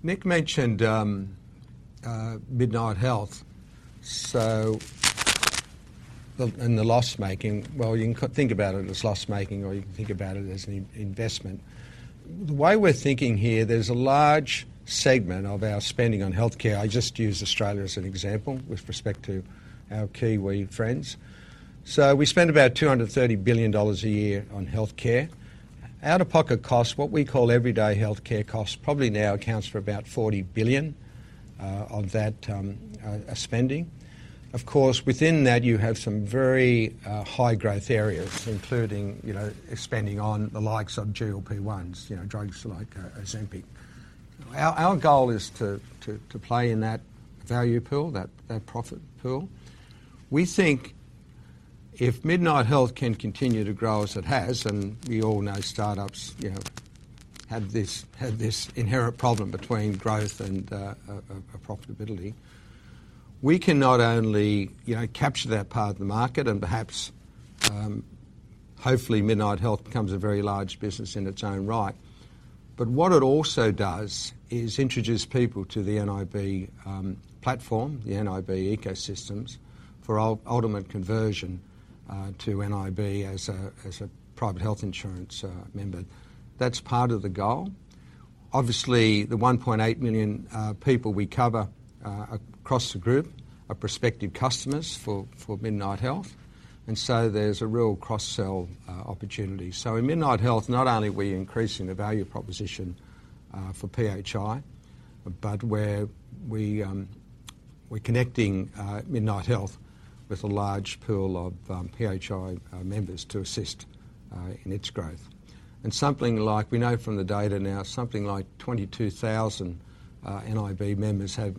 Nick mentioned Midnight Health and the loss making. Well, you can think about it as loss making or you can think about it as an investment. The way we're thinking here there's a large segment of our spending on healthcare. I just used Australia as an example with respect to our Kiwi friends. So we spend about 230 billion dollars a year on healthcare. Out-of-pocket costs, what we call everyday healthcare costs, probably now accounts for about 40 billion of that spending. Of course within that you have some very high growth areas including, you know, spending on the likes of GLP-1s, you know, drugs like Ozempic. Our goal is to play in that value pool, that profit pool. We think if Midnight Health can continue to grow as it has and we all know startups, you know, have this inherent problem between growth and profitability, we can not only, you know, capture that part of the market and perhaps, hopefully Midnight Health becomes a very large business in its own right but what it also does is introduce people to the NIB platform, the NIB ecosystems for ultimate conversion to NIB as a private health insurance member. That's part of the goal. Obviously the 1.8 million people we cover across the group are prospective customers for Midnight Health and so there's a real cross-sell opportunity. So in Midnight Health not only are we increasing the value proposition for PHI but we're connecting Midnight Health with a large pool of PHI members to assist in its growth. And something like, we know from the data now, something like 22,000 NIB members have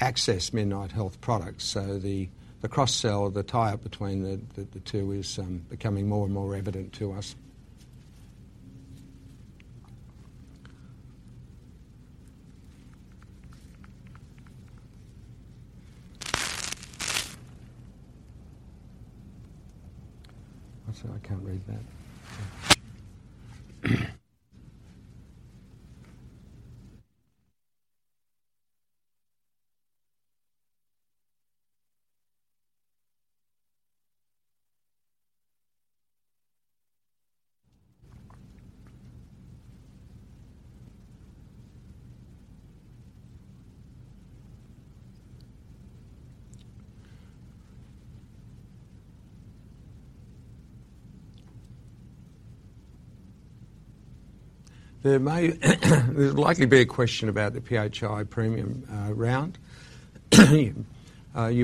accessed Midnight Health products so the cross-sell, the tie-up between the two is becoming more and more evident to us. What's that? I can't read that. There may be a question about the PHI premium round. You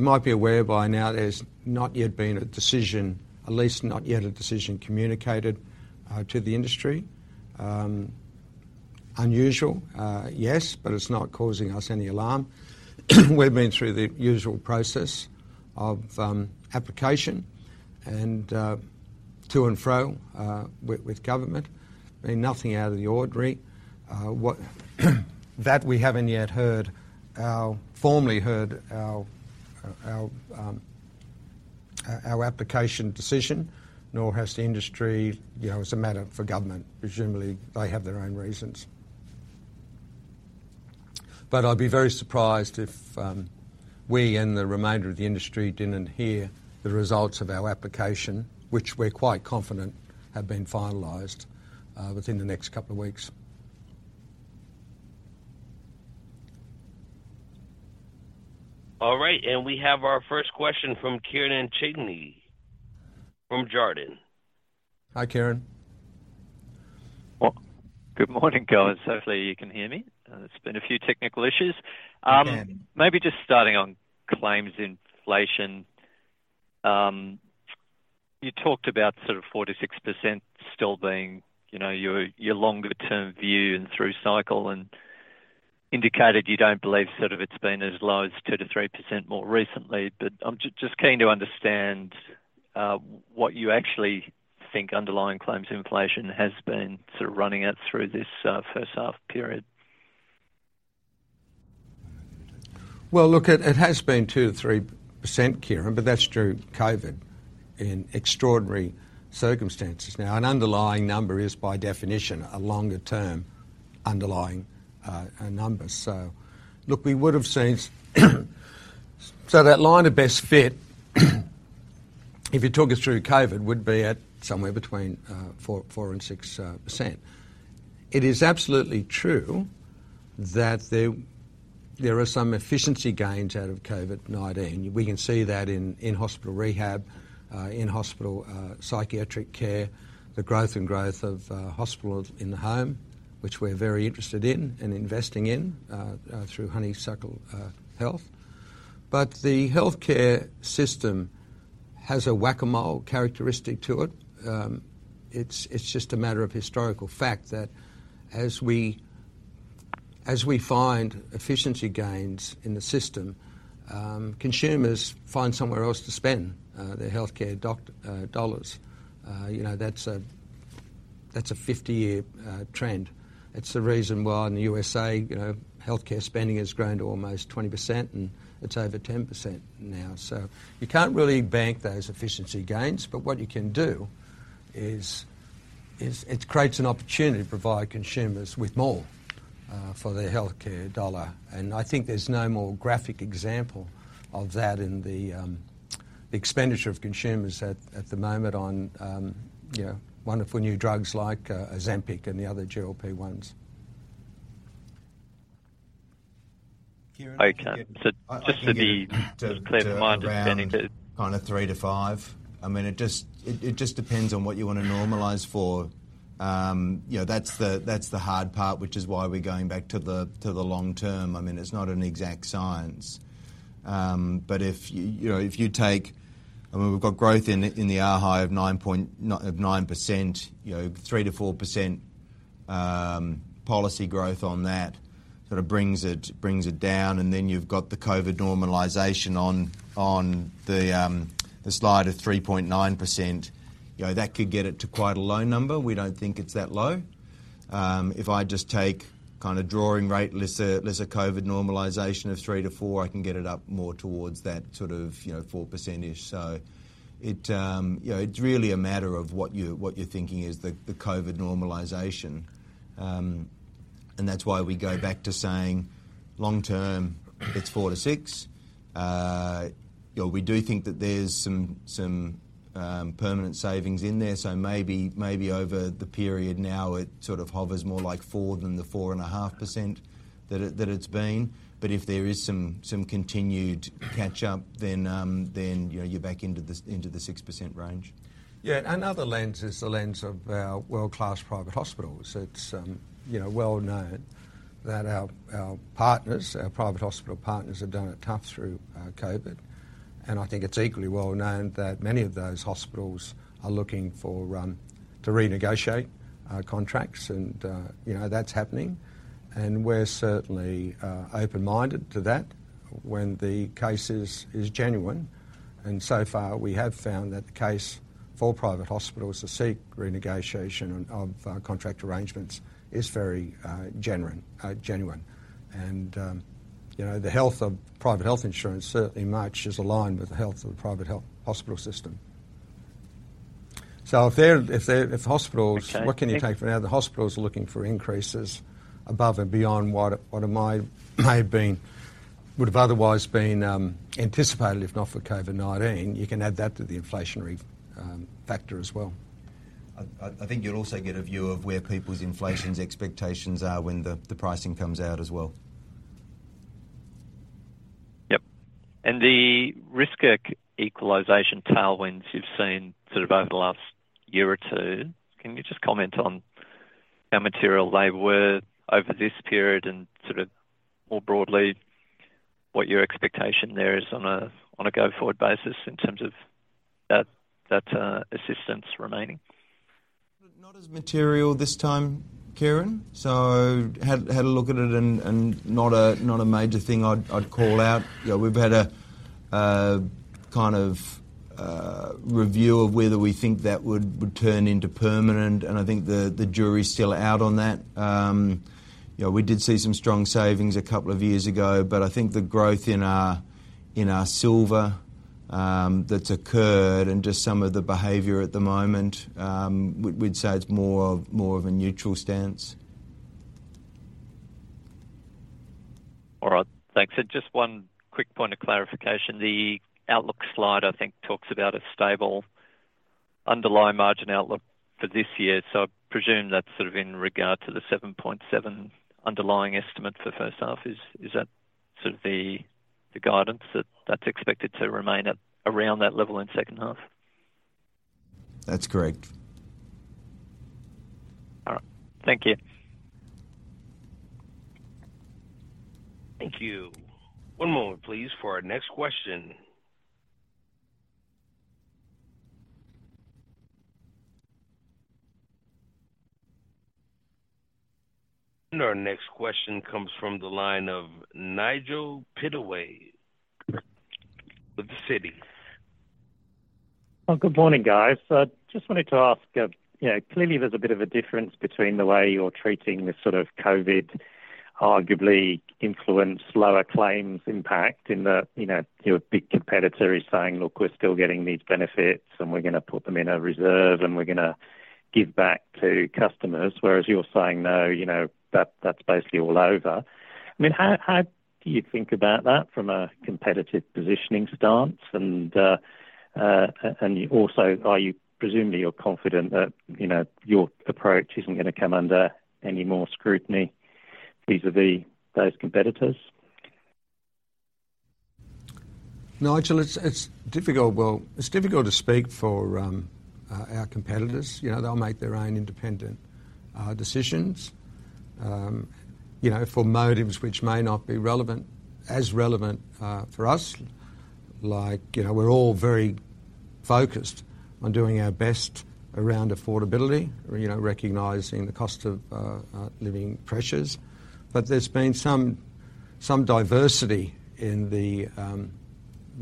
might be aware by now there's not yet been a decision, at least not yet a decision communicated to the industry. Unusual, yes, but it's not causing us any alarm. We've been through the usual process of application and to and fro with government. I mean nothing out of the ordinary. What that we haven't yet heard, or formally heard our application decision nor has the industry, you know, as a matter for government, presumably they have their own reasons. But I'd be very surprised if we and the remainder of the industry didn't hear the results of our application which we're quite confident have been finalized within the next couple of weeks. All right. We have our first question from Kieren Chidgey from Jarden. Hi Kieren. Well, good morning Colin. Hopefully you can hear me. There's been a few technical issues. Maybe just starting on claims inflation. You talked about sort of 4%-6% still being, you know, your longer-term view and through cycle and indicated you don't believe sort of it's been as low as 2%-3% more recently but I'm just keen to understand what you actually think underlying claims inflation has been sort of running out through this first half period. Well, look, it has been 2%-3% Kieren but that's due to COVID in extraordinary circumstances. Now an underlying number is by definition a longer-term underlying number. So look, we would have seen so that line of best fit if you took it through COVID would be at somewhere between 4% and 6%. It is absolutely true that there are some efficiency gains out of COVID-19. We can see that in hospital rehab, in hospital psychiatric care, the growth and growth of hospital in the home which we're very interested in and investing in through Honeysuckle Health. But the healthcare system has a whack-a-mole characteristic to it. It's just a matter of historical fact that as we find efficiency gains in the system, consumers find somewhere else to spend their healthcare dollars. You know, that's a 50-year trend. It's the reason why in the USA, you know, healthcare spending has grown to almost 20% and it's over 10% now. So you can't really bank those efficiency gains but what you can do is it creates an opportunity to provide consumers with more for their healthcare dollar. And I think there's no more graphic example of that in the expenditure of consumers at the moment on, you know, wonderful new drugs like Ozempic and the other GLP-1s. Kieren? I can't. So just to be clear of my understanding. Kind of three-five. I mean it just depends on what you want to normalize for. You know, that's the hard part which is why we're going back to the long term. I mean it's not an exact science. But if, you know, if you take, I mean we've got growth in the underlying of 9.9%, you know, 3%-4% policy growth on that sort of brings it down and then you've got the COVID normalization on the slide of 3.9%, you know, that could get it to quite a low number. We don't think it's that low. If I just take kind of underlying, let's say a COVID normalization of 3%-4% I can get it up more towards that sort of, you know, 4%ish. So it, you know, it's really a matter of what you're thinking is the COVID normalization. And that's why we go back to saying long term it's 4%-6%. You know, we do think that there's some permanent savings in there so maybe over the period now it sort of hovers more like 4% than the 4.5% that it's been. But if there is some continued catch-up then, you know, you're back into the 6% range. Yeah. Another lens is the lens of our world-class private hospitals. It's, you know, well known that our partners, our private hospital partners have done it tough through COVID. And I think it's equally well known that many of those hospitals are looking to renegotiate contracts and, you know, that's happening. And we're certainly open-minded to that when the case is genuine. And so far we have found that the case for private hospitals to seek renegotiation of contract arrangements is very genuine. You know, the health of private health insurance certainly much is aligned with the health of the private health hospital system. So if the hospitals, what can you take from that? The hospitals are looking for increases above and beyond what it might have been, would have otherwise been anticipated if not for COVID-19. You can add that to the inflationary factor as well. I think you'll also get a view of where people's inflation expectations are when the pricing comes out as well. Yep. The risk equalisation tailwinds you've seen sort of over the last year or two, can you just comment on how material they were over this period and sort of more broadly what your expectation there is on a go-forward basis in terms of that assistance remaining? Not as material this time, Kiernan. So had a look at it and not a major thing I'd call out. You know, we've had a kind of review of whether we think that would turn into permanent and I think the jury's still out on that. You know, we did see some strong savings a couple of years ago but I think the growth in our silver that's occurred and just some of the behaviour at the moment, we'd say it's more of a neutral stance. All right. Thanks. And just one quick point of clarification. The outlook slide I think talks about a stable underlying margin outlook for this year so I presume that's sort of in regard to the 7.7 underlying estimate for first half. Is that sort of the guidance that's expected to remain at around that level in second half? That's correct. All right. Thank you. Thank you. One moment please for our next question. Our next question comes from the line of Nigel Pittaway with Citi. Good morning guys. I just wanted to ask, you know, clearly there's a bit of a difference between the way you're treating this sort of COVID arguably influence lower claims impact in the, you know, your big competitor is saying look we're still getting these benefits and we're going to put them in a reserve and we're going to give back to customers whereas you're saying no, you know, that's basically all over. I mean how do you think about that from a competitive positioning stance and and also are you presumably you're confident that, you know, your approach isn't going to come under any more scrutiny vis-à-vis those competitors? Nigel, it's difficult. Well, it's difficult to speak for our competitors. You know, they'll make their own independent decisions, you know, for motives which may not be relevant, as relevant for us like, you know, we're all very focused on doing our best around affordability, you know, recognizing the cost of living pressures. But there's been some diversity in the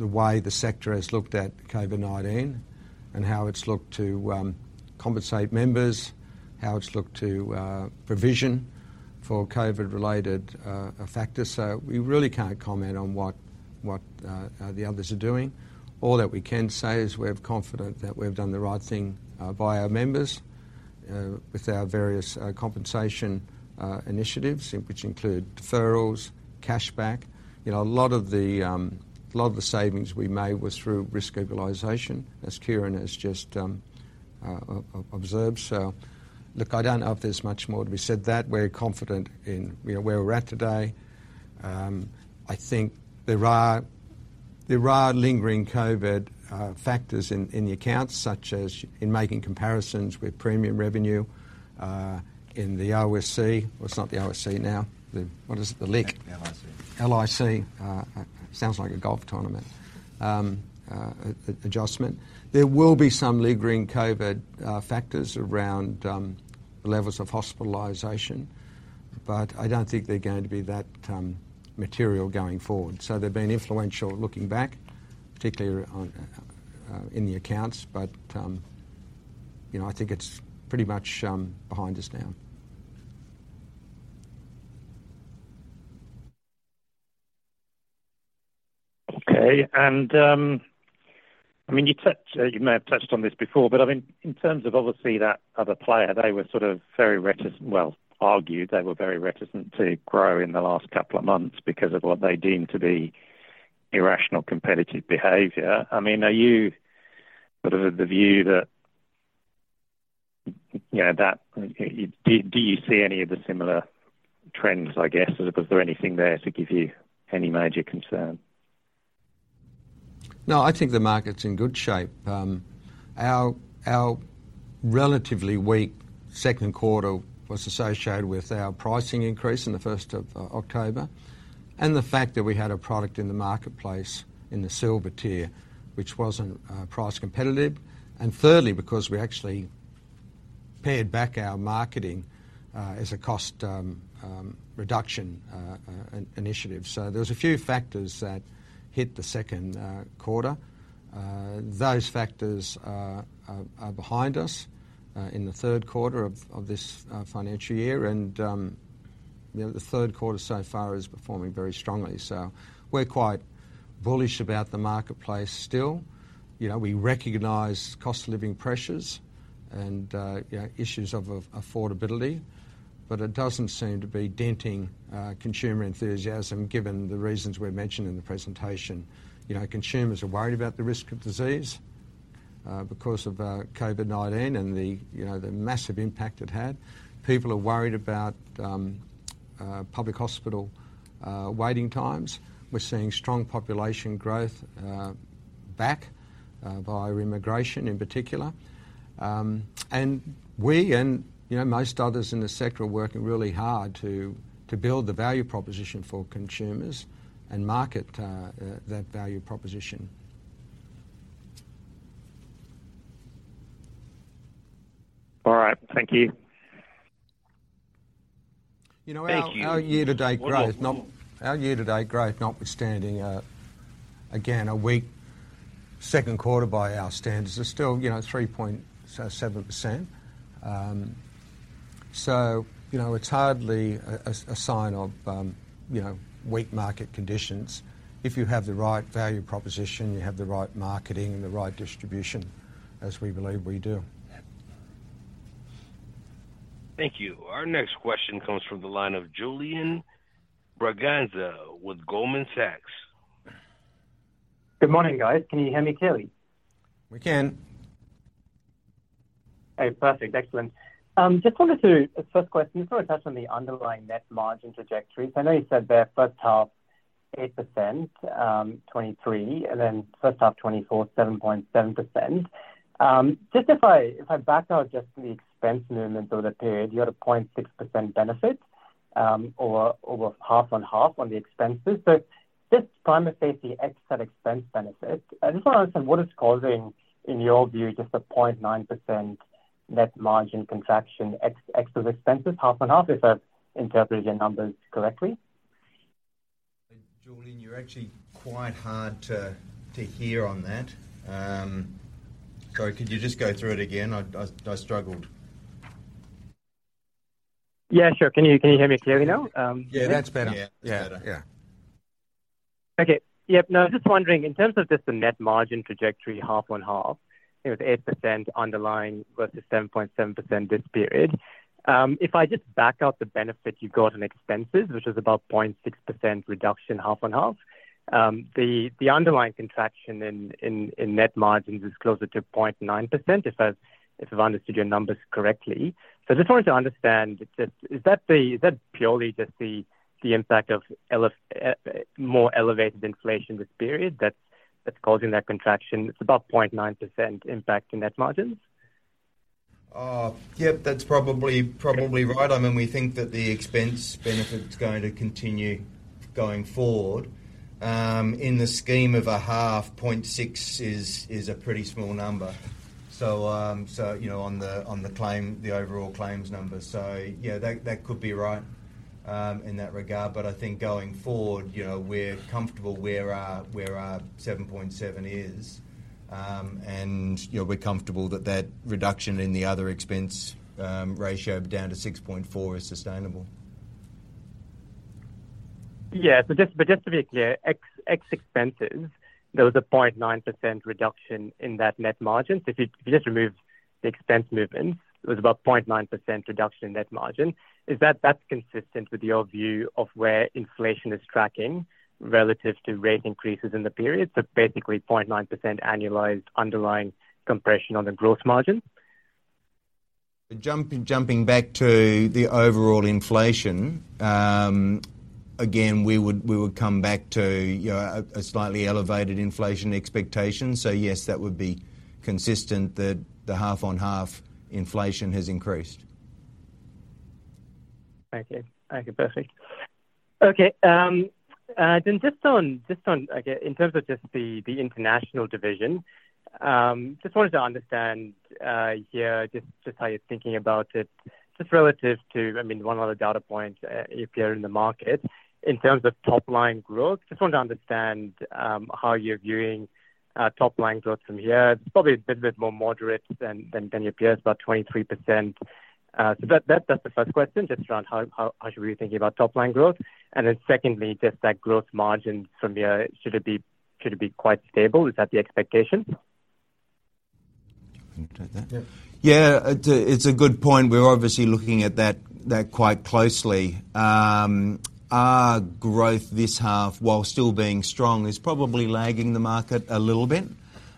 way the sector has looked at COVID-19 and how it's looked to compensate members, how it's looked to provision for COVID-related factors. So we really can't comment on what the others are doing. All that we can say is we're confident that we've done the right thing by our members with our various compensation initiatives which include deferrals, cashback. You know, a lot of the savings we made was through risk equalisation as Kieren has just observed. So look, I don't know if there's much more to be said. That we're confident in, you know, where we're at today. I think there are lingering COVID factors in the accounts such as in making comparisons with premium revenue in the OSC. Well, it's not the OSC now, the what is it, the LIC? LIC. LIC. Sounds like a golf tournament adjustment. There will be some lingering COVID factors around the levels of hospitalization but I don't think they're going to be that material going forward. So they've been influential looking back, particularly in the accounts. But, you know, I think it's pretty much behind us now. Okay. I mean, you touched—you may have touched on this before, but I mean, in terms of obviously that other player, they were sort of very reticent. Well, argued they were very reticent to grow in the last couple of months because of what they deemed to be irrational competitive behavior. I mean, are you sort of of the view that, you know, that do you see any of the similar trends, I guess? Was there anything there to give you any major concern? No, I think the market's in good shape. Our relatively weak second quarter was associated with our pricing increase in the first of October and the fact that we had a product in the marketplace in the Silver tier which wasn't price competitive. And thirdly, because we actually pared back our marketing as a cost reduction initiative. So there was a few factors that hit the second quarter. Those factors are behind us in the third quarter of this financial year and, you know, the third quarter so far is performing very strongly. So we're quite bullish about the marketplace still. You know, we recognize cost of living pressures and, you know, issues of affordability but it doesn't seem to be denting consumer enthusiasm given the reasons we've mentioned in the presentation. You know, consumers are worried about the risk of disease because of COVID-19 and the, you know, the massive impact it had. People are worried about public hospital waiting times. We're seeing strong population growth back by remigration in particular. And we, you know, most others in the sector are working really hard to build the value proposition for consumers and market that value proposition. All right. Thank you. You know, our year-to-date growth, not our year-to-date growth notwithstanding, again, a weak second quarter by our standards is still, you know, 3.7%. So, you know, it's hardly a sign of, you know, weak market conditions if you have the right value proposition, you have the right marketing and the right distribution as we believe we do. Thank you. Our next question comes from the line of Julian Braganza with Goldman Sachs. Good morning guys. Can you hear me, clearly? We can. Okay. Perfect. Excellent. Just wanted to, first question, you sort of touched on the underlying net margin trajectories. I know you said there first half 8%, 2023, and then first half 2024 7.7%. Just if I backed out just from the expense movements over the period, you had a 0.6% benefit or half on half on the expenses. So this claims savings excess expense benefit, I just want to understand what it's causing in your view just the 0.9% net margin contraction excess expenses, half on half if I've interpreted your numbers correctly? Julian, you're actually quite hard to hear on that. Sorry, could you just go through it again? I struggled. Yeah, sure. Can you hear me clearly now? Yeah, that's better. Yeah, better. Yeah. Okay. Yep. No, I was just wondering, in terms of just the net margin trajectory half on half, you know, it's 8% underlying versus 7.7% this period. If I just back out the benefit you got on expenses which was about 0.6% reduction half on half, the underlying contraction in net margins is closer to 0.9% if I've understood your numbers correctly. So I just wanted to understand just, is that purely just the impact of more elevated inflation this period that's causing that contraction? It's about 0.9% impact in net margins? Yep, that's probably right. I mean we think that the expense benefit's going to continue going forward. In the scheme of a half point is a pretty small number. So, you know, on the claim, the overall claims number. So, yeah, that could be right in that regard. But I think going forward, you know, we're comfortable where our 7.7 is and, you know, we're comfortable that that reduction in the other expense ratio down to 6.4 is sustainable. Yeah. But just to be clear, ex expenses, there was a 0.9% reduction in that net margin. So if you just remove the expense movements, it was about 0.9% reduction in net margin. Is that consistent with your view of where inflation is tracking relative to rate increases in the period? So basically 0.9% annualized underlying compression on the gross margin? Jumping back to the overall inflation, again we would come back to, you know, a slightly elevated inflation expectation. So yes, that would be consistent that the half on half inflation has increased. Okay. Okay. Perfect. Okay. Then just on, just on, okay, in terms of just the international division, just wanted to understand here just how you're thinking about it just relative to, I mean, one of the data points your peer in the market. In terms of top line growth, just wanted to understand how you're viewing top line growth from here. It's probably a bit more moderate than your peers, about 23%. So that's the first question, just around how should we be thinking about top line growth? And then secondly, just that growth margin from here, should it be quite stable? Is that the expectation? Can you take that? Yeah. Yeah, it's a good point. We're obviously looking at that quite closely. Our growth this half, while still being strong, is probably lagging the market a little bit.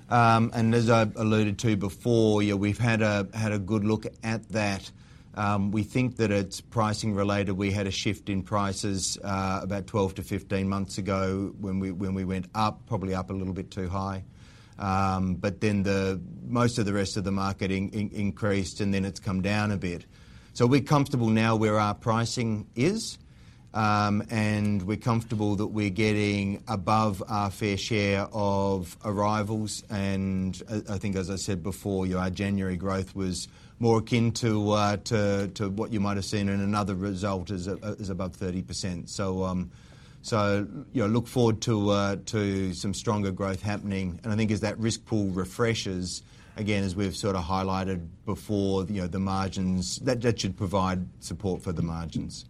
And as I alluded to before, you know, we've had a good look at that. We think that it's pricing related. We had a shift in prices about 12-15 months ago when we went up, probably up a little bit too high. But then the most of the rest of the market increased and then it's come down a bit. So we're comfortable now where our pricing is and we're comfortable that we're getting above our fair share of arrivals. I think as I said before, you know, our January growth was more akin to what you might have seen and another result is above 30%. So, you know, look forward to some stronger growth happening. And I think as that risk pool refreshes, again as we've sort of highlighted before, you know, the margins, that should provide support for the margins.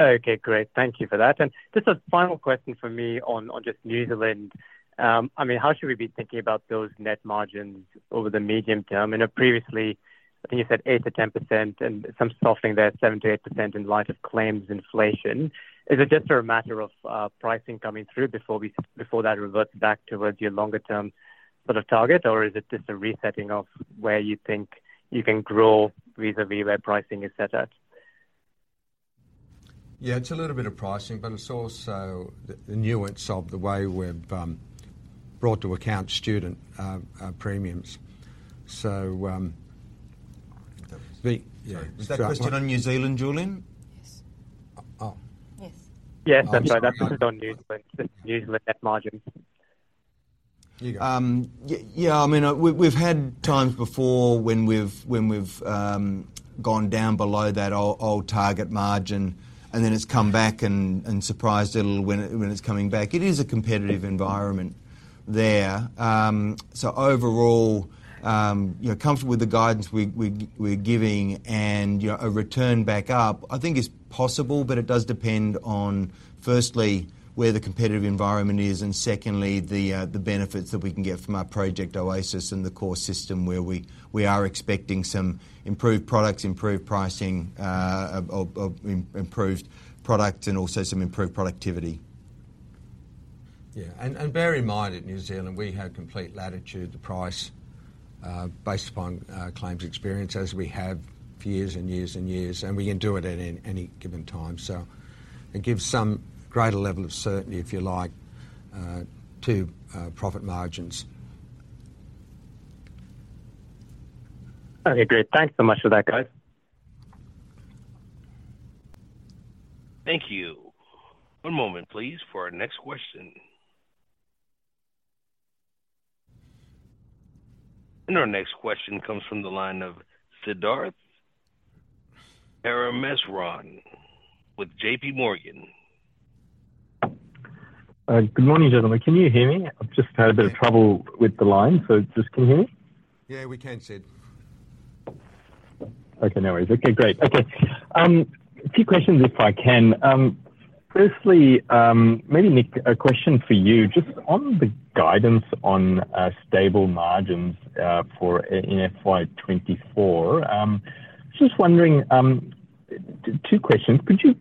Okay. Great. Thank you for that. And just a final question for me on just New Zealand. I mean, how should we be thinking about those net margins over the medium term? I mean, previously I think you said 8%-10% and some softening there, 7%-8% in light of claims inflation. Is it just a matter of pricing coming through before that reverts back towards your longer term sort of target or is it just a resetting of where you think you can grow vis-à-vis where pricing is set at? Yeah, it's a little bit of pricing but it's also the nuance of the way we've brought to account student premiums. So, yeah. Was that question on New Zealand, Julian? Yes. Oh. Yes. Yes, that's right. That's just on New Zealand, just New Zealand net margins. You go. Yeah, I mean, we've had times before when we've gone down below that old target margin and then it's come back and surprised a little when it's coming back. It is a competitive environment there. So overall, you know, comfortable with the guidance we're giving and, you know, a return back up I think is possible but it does depend on, firstly, where the competitive environment is and, secondly, the benefits that we can get from our Project Oasis and the core system where we are expecting some improved products, improved pricing, improved products and also some improved productivity. Yeah. And bear in mind at New Zealand we have complete latitude, the price based upon claims experience as we have for years and years and years. And we can do it at any given time. So it gives some greater level of certainty if you like to profit margins. Okay. Great. Thanks so much for that, guys. Thank you. One moment, please, for our next question. And our next question comes from the line of Siddharth Parameswaran with JPMorgan. Good morning, gentlemen. Can you hear me? I've just had a bit of trouble with the line so just can you hear me? Yeah, we can, Sid. Okay. No worries. Okay. Great. Okay. A few questions if I can. Firstly, maybe Nick, a question for you. Just on the guidance on stable margins for in FY2024, just wondering, two questions. Could you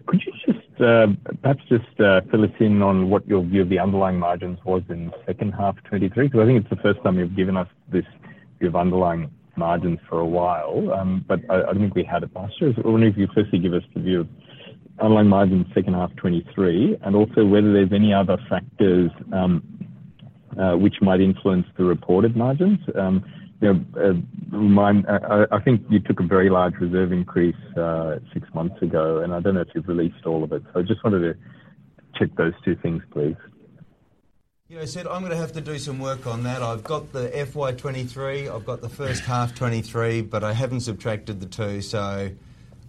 just perhaps just fill us in on what your view of the underlying margins was in second half 2023? Because I think it's the first time you've given us this view of underlying margins for a while. But I don't think we had it last year. I wonder if you could firstly give us the view of underlying margins second half 2023 and also whether there's any other factors which might influence the reported margins. You know, I think you took a very large reserve increase six months ago and I don't know if you've released all of it. So I just wanted to check those two things, please. You know, Sid, I'm going to have to do some work on that. I've got the FY2023, I've got the first half 2023 but I haven't subtracted the two. So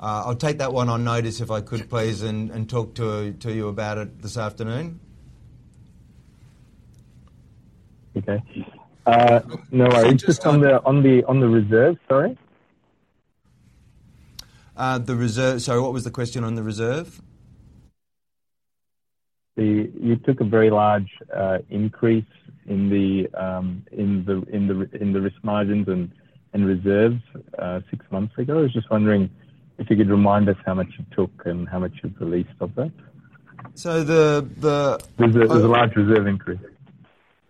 I'll take that one on notice if I could, please, and talk to you about it this afternoon. Okay. No worries. Just on the reserves, sorry? The reserves, sorry, what was the question on the reserve? You took a very large increase in the risk margins and reserves six months ago. I was just wondering if you could remind us how much you took and how much you've released of that. So the reserve. There's a large reserve increase.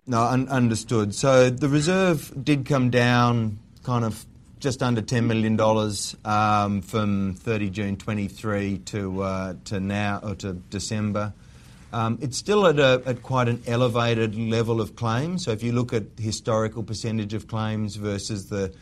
No, understood. So the reserve did come down kind of just under 10 million dollars from 30th June 2023 to now or to December. It's still at quite an elevated level of claims. So if you look at historical percentage of claims versus the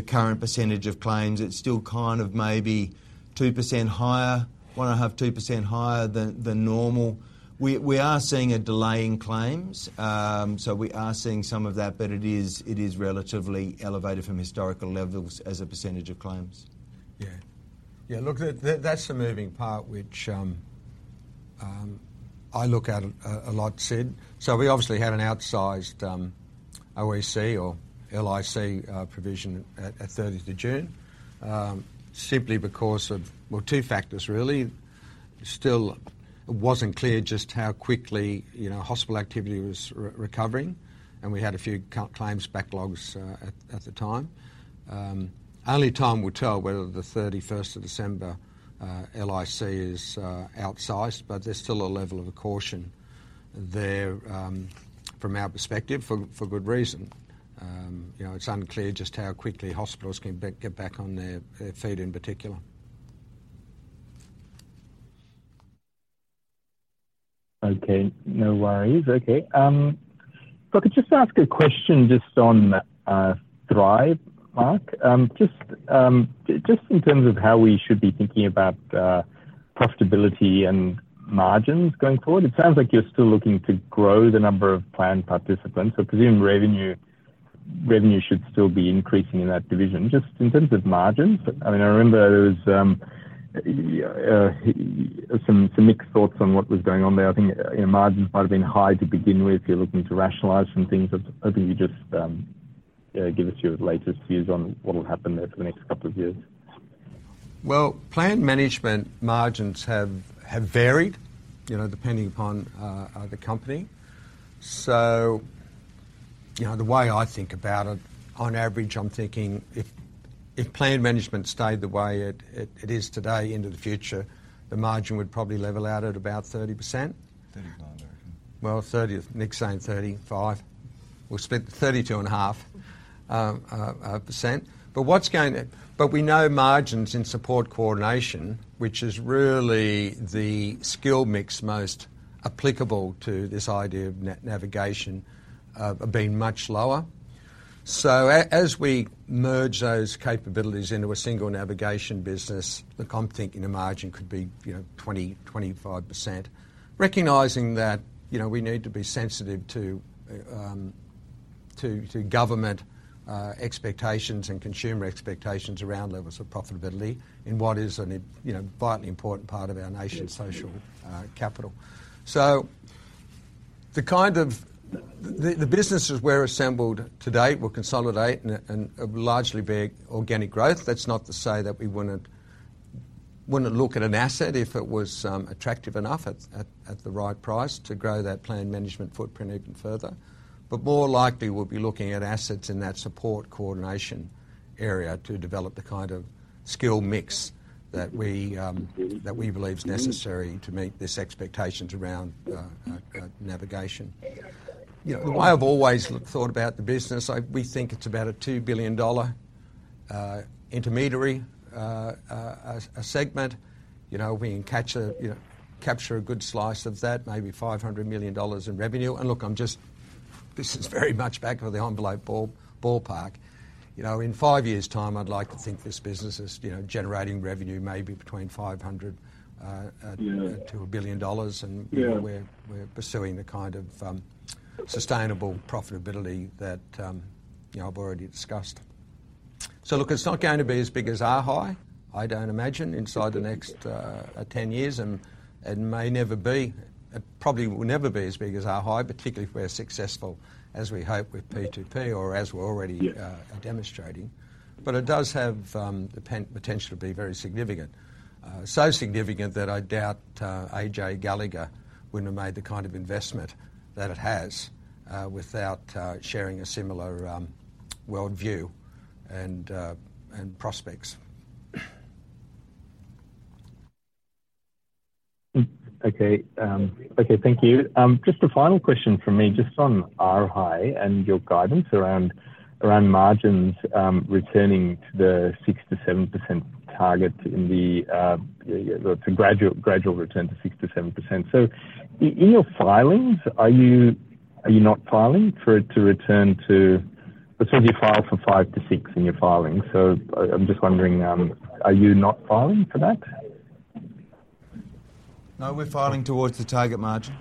current percentage of claims, it's still kind of maybe 2% higher, 1.5%-2% higher than normal. We are seeing a delay in claims. So we are seeing some of that but it is relatively elevated from historical levels as a percentage of claims. Yeah. Yeah, look, that's the moving part which I look at a lot, Sid. So we obviously had an outsized OSC or LIC provision at 30th of June simply because of, well, two factors really. Still, it wasn't clear just how quickly, you know, hospital activity was recovering and we had a few claims backlogs at the time. Only time will tell whether the 31st of December LIC is outsized, but there's still a level of caution there from our perspective for good reason. You know, it's unclear just how quickly hospitals can get back on their feet in particular. Okay. No worries. Okay. So I could just ask a question just on Thrive, Mark. Just in terms of how we should be thinking about profitability and margins going forward, it sounds like you're still looking to grow the number of planned participants. So I presume revenue should still be increasing in that division. Just in terms of margins, I mean, I remember there was some mixed thoughts on what was going on there. I think margins might have been high to begin with if you're looking to rationalize some things. I'm hoping you just give us your latest views on what will happen there for the next couple of years. Well, plan management margins have varied, you know, depending upon the company. So, you know, the way I think about it, on average I'm thinking if plan management stayed the way it is today into the future, the margin would probably level out at about 30%. 35%, I reckon. Well, 30%, Nick's saying 35%. We'll split the 32.5%. But what's going to, but we know margins in support coordination which is really the skill mix most applicable to this idea of navigator have been much lower. So as we merge those capabilities into a single navigation business, look, I'm thinking a margin could be, you know, 20%-25%, recognizing that, you know, we need to be sensitive to government expectations and consumer expectations around levels of profitability in what is an, you know, vitally important part of our nation's social capital. So the kind of, the businesses we're assembled to date will consolidate and largely be organic growth. That's not to say that we wouldn't look at an asset if it was attractive enough at the right price to grow that plan management footprint even further. But more likely we'll be looking at assets in that support coordination area to develop the kind of skill mix that we believe is necessary to meet these expectations around navigation. You know, the way I've always thought about the business, we think it's about a $2 billion intermediary segment. You know, we can, you know, capture a good slice of that, maybe $500 million in revenue. And look, I'm just, this is very much back of the envelope ballpark. You know, in five years' time I'd like to think this business is, you know, generating revenue maybe between $500 billion-$1 billion and we're pursuing the kind of sustainable profitability that, you know, I've already discussed. So look, it's not going to be as big as our high, I don't imagine, inside the next 10 years and may never be, probably will never be as big as our high particularly if we're successful as we hope with P2P or as we're already demonstrating. But it does have the potential to be very significant. So significant that I doubt AJ Gallagher wouldn't have made the kind of investment that it has without sharing a similar worldview and prospects. Okay. Okay. Thank you. Just a final question from me, just on our high and your guidance around margins returning to the 6%-7% target in the, it's a gradual return to 6%-7%. So in your filings, are you not filing for it to return to, it's not you file for 5%-6% in your filings. So I'm just wondering, are you not filing for that? No, we're filing towards the target margin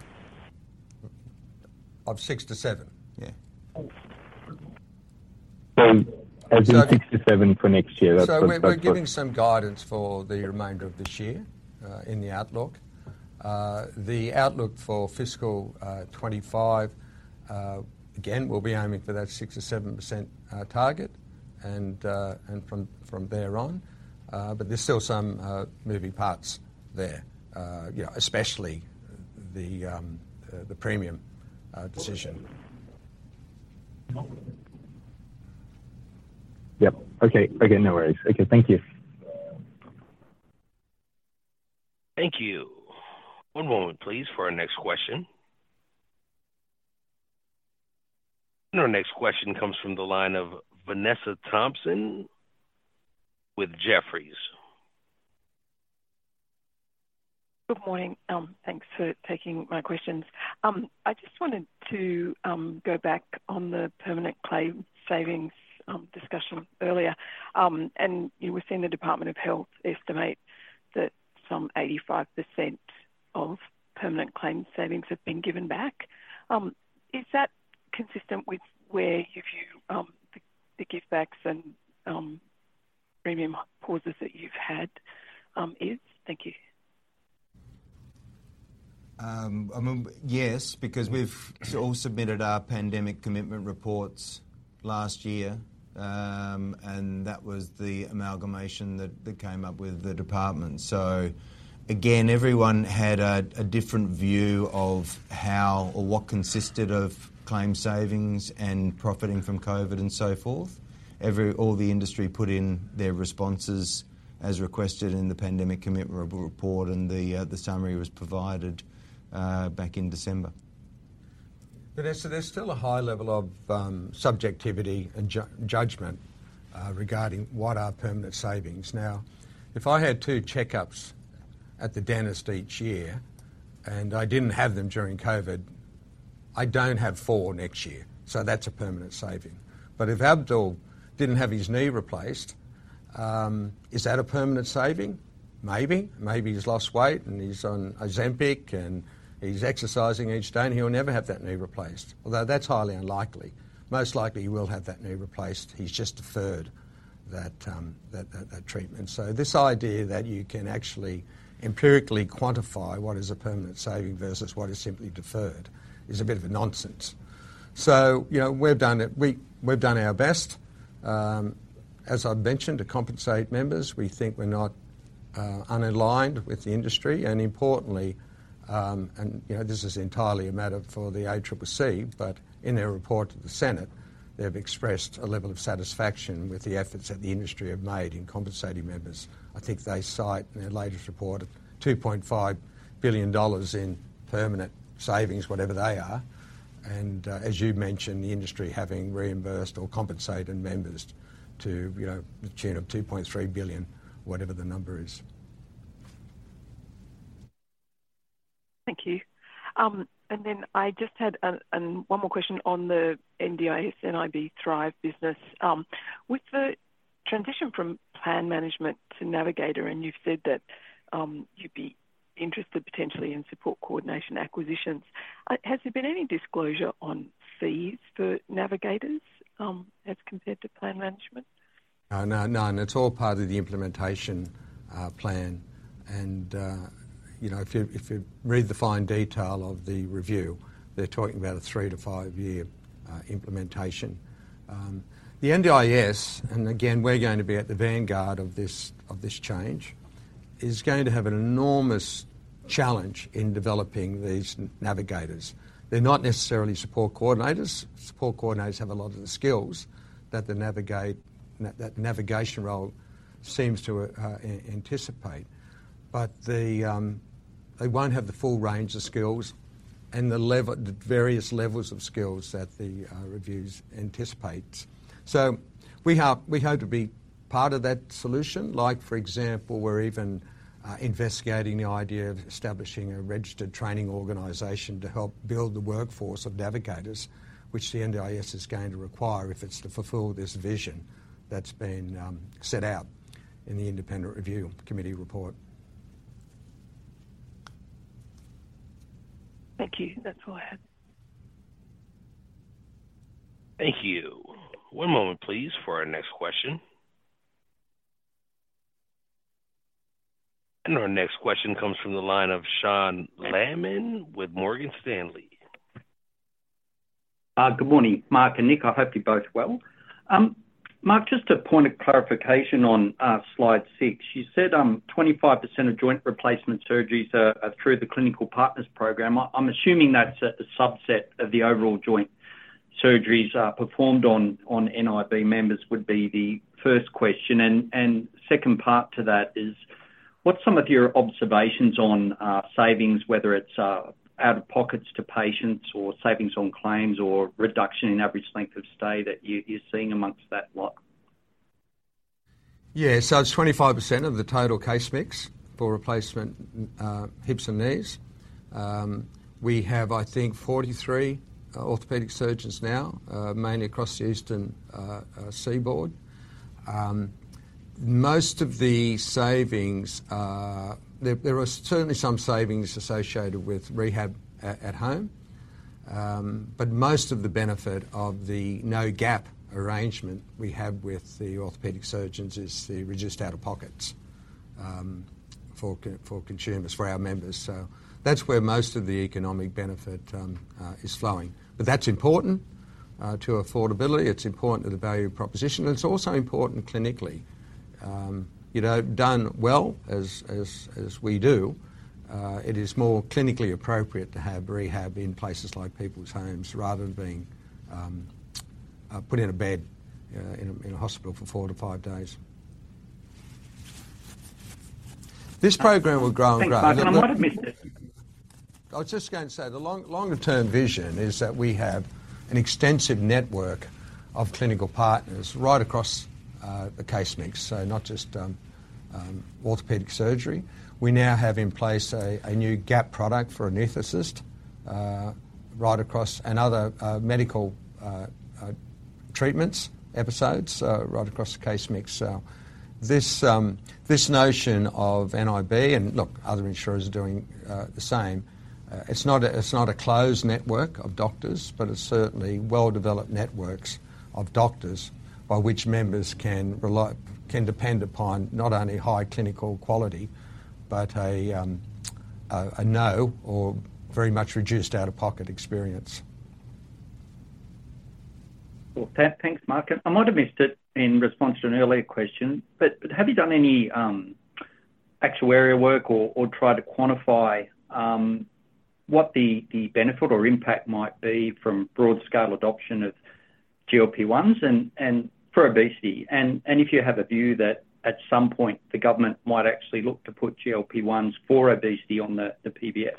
of 6%-7%. Yeah. So as in 6%-7% for next year, that's what's going to happen? So we're giving some guidance for the remainder of this year in the outlook. The outlook for fiscal 2025, again, we'll be aiming for that 6%-7% target and from there on. But there's still some moving parts there, you know, especially the premium decision. Yep. Okay. Okay. No worries. Okay. Thank you. Thank you. One moment, please, for our next question. And our next question comes from the line of Vanessa Thomson with Jefferies. Good morning. Thanks for taking my questions. I just wanted to go back on the permanent claim savings discussion earlier. And, you know, we're seeing the Department of Health estimate that some 85% of permanent claims savings have been given back. Is that consistent with where your view, the give-backs and premium pauses that you've had is? Thank you. I mean, yes because we've all submitted our pandemic commitment reports last year and that was the amalgamation that came up with the Department. So again, everyone had a different view of how or what consisted of claims savings and profiting from COVID and so forth. All the industry put in their responses as requested in the pandemic commitment report and the summary was provided back in December. Vanessa, there's still a high level of subjectivity and judgment regarding what are permanent savings. Now, if I had two checkups at the dentist each year and I didn't have them during COVID, I don't have four next year. So that's a permanent saving. But if Abdul didn't have his knee replaced, is that a permanent saving? Maybe. Maybe he's lost weight and he's on Ozempic and he's exercising each day and he'll never have that knee replaced. Although that's highly unlikely. Most likely he will have that knee replaced. He's just deferred that treatment. So this idea that you can actually empirically quantify what is a permanent saving versus what is simply deferred is a bit of a nonsense. So, you know, we've done it, we've done our best, as I've mentioned, to compensate members. We think we're not unaligned with the industry. And importantly, and, you know, this is entirely a matter for the ACCC but in their report to the Senate they've expressed a level of satisfaction with the efforts that the industry have made in compensating members. I think they cite in their latest report 2.5 billion dollars in permanent savings, whatever they are. And as you mentioned, the industry having reimbursed or compensated members to, you know, the tune of 2.3 billion, whatever the number is. Thank you. And then I just had one more question on the NDIS, NIB Thrive business. With the transition from plan management to Navigator and you've said that you'd be interested potentially in support coordination acquisitions, has there been any disclosure on fees for Navigators as compared to plan management? No, none. It's all part of the implementation plan. And, you know, if you read the fine detail of the review, they're talking about a threeto five year implementation. The NDIS, and again we're going to be at the vanguard of this change, is going to have an enormous challenge in developing these Navigators. They're not necessarily support coordinators. Support coordinators have a lot of the skills that the navigator, that navigation role seems to anticipate. But they won't have the full range of skills and the various levels of skills that the review anticipates. So we hope to be part of that solution. Like, for example, we're even investigating the idea of establishing a registered training organisation to help build the workforce of Navigators which the NDIS is going to require if it's to fulfil this vision that's been set out in the Independent Review Committee report. Thank you. That's all I had. Thank you. One moment, please, for our next question. And our next question comes from the line of Sean Laaman with Morgan Stanley. Good morning, Mark and Nick. I hope you're both well. Mark, just a point of clarification on slide six. You said 25% of joint replacement surgeries are through the Clinical Partners Program. I'm assuming that's a subset of the overall joint surgeries performed on NIB members would be the first question. Second part to that is what's some of your observations on savings, whether it's out-of-pockets to patients or savings on claims or reduction in average length of stay that you're seeing among that lot? Yeah. So it's 25% of the total case mix for replacement hips and knees. We have, I think, 43 orthopedic surgeons now, mainly across the Eastern Seaboard. Most of the savings, there are certainly some savings associated with rehab at home. But most of the benefit of the no-gap arrangement we have with the orthopedic surgeons is the reduced out-of-pockets for consumers, for our members. So that's where most of the economic benefit is flowing. But that's important to affordability. It's important to the value proposition. It's also important clinically. You know, done well as we do, it is more clinically appropriate to have rehab in places like people's homes rather than being put in a bed in a hospital for 4-5 days. This program will grow and grow. I'm going to admit this. I was just going to say the longer-term vision is that we have an extensive network of clinical partners right across the case mix, so not just orthopedic surgery. We now have in place a new gap product for an anesthetist right across and other medical treatments episodes right across the case mix. So this notion of NIB and, look, other insurers are doing the same. It's not a closed network of doctors but it's certainly well-developed networks of doctors by which members can depend upon not only high clinical quality but a no or very much reduced out-of-pocket experience. Well, thanks, Mark. And I might have missed it in response to an earlier question but have you done any actuarial work or tried to quantify what the benefit or impact might be from broad-scale adoption of GLP-1s and for obesity? And if you have a view that at some point the government might actually look to put GLP-1s for obesity on the PBS?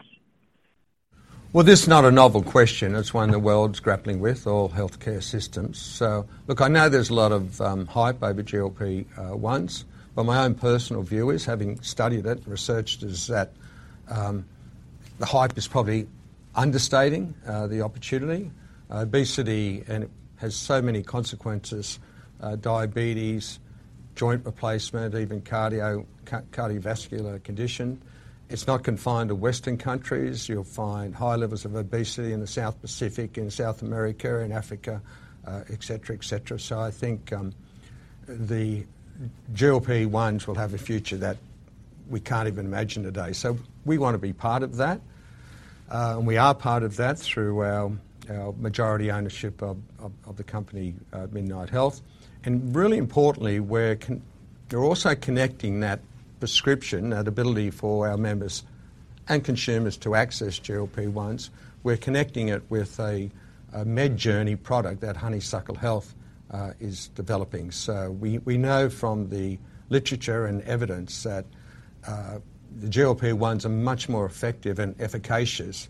Well, this is not a novel question. It's one the world's grappling with, all healthcare systems. So, look, I know there's a lot of hype over GLP-1s but my own personal view is, having studied it, researched is that the hype is probably understating the opportunity. Obesity and it has so many consequences. Diabetes, joint replacement, even cardiovascular condition. It's not confined to Western countries. You'll find high levels of obesity in the South Pacific, in South America, in Africa, etc., etc. So I think the GLP-1s will have a future that we can't even imagine today. So we want to be part of that. And we are part of that through our majority ownership of the company Midnight Health. And really importantly, we're also connecting that prescription, that ability for our members and consumers to access GLP-1s, we're connecting it with a MedJourney product that Honeysuckle Health is developing. So we know from the literature and evidence that the GLP-1s are much more effective and efficacious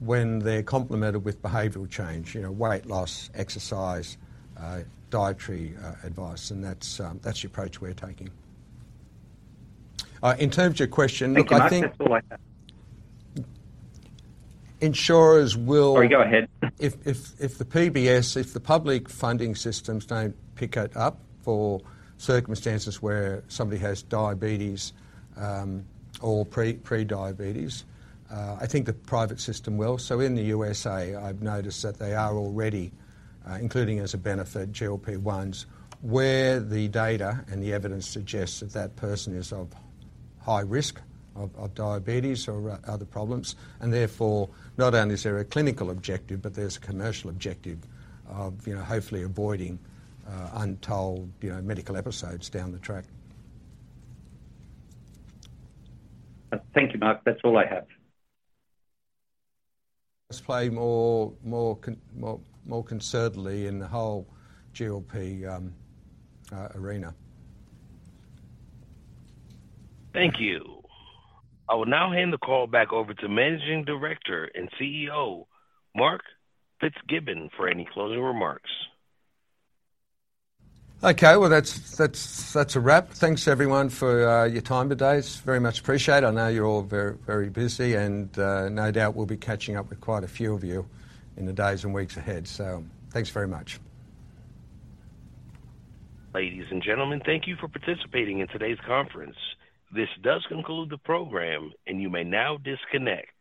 when they're complemented with behavioral change, you know, weight loss, exercise, dietary advice. And that's the approach we're taking. In terms of your question, look, I think... Insurers will... Sorry, go ahead. If the PBS, if the public funding systems don't pick it up for circumstances where somebody has diabetes or pre-diabetes, I think the private system will. So in the USA, I've noticed that they are already including as a benefit GLP-1s where the data and the evidence suggests that that person is of high risk of diabetes or other problems. And therefore not only is there a clinical objective but there's a commercial objective of, you know, hopefully avoiding untold, you know, medical episodes down the track. Thank you, Mark. That's all I have. Let's play more concertedly in the whole GLP arena. Thank you. I will now hand the call back over to Managing Director and CEO Mark Fitzgibbon for any closing remarks. Okay. Well, that's a wrap. Thanks, everyone, for your time today. It's very much appreciated. I know you're all very, very busy and no doubt we'll be catching up with quite a few of you in the days and weeks ahead. So thanks very much. Ladies and gentlemen, thank you for participating in today's conference. This does conclude the program and you may now disconnect.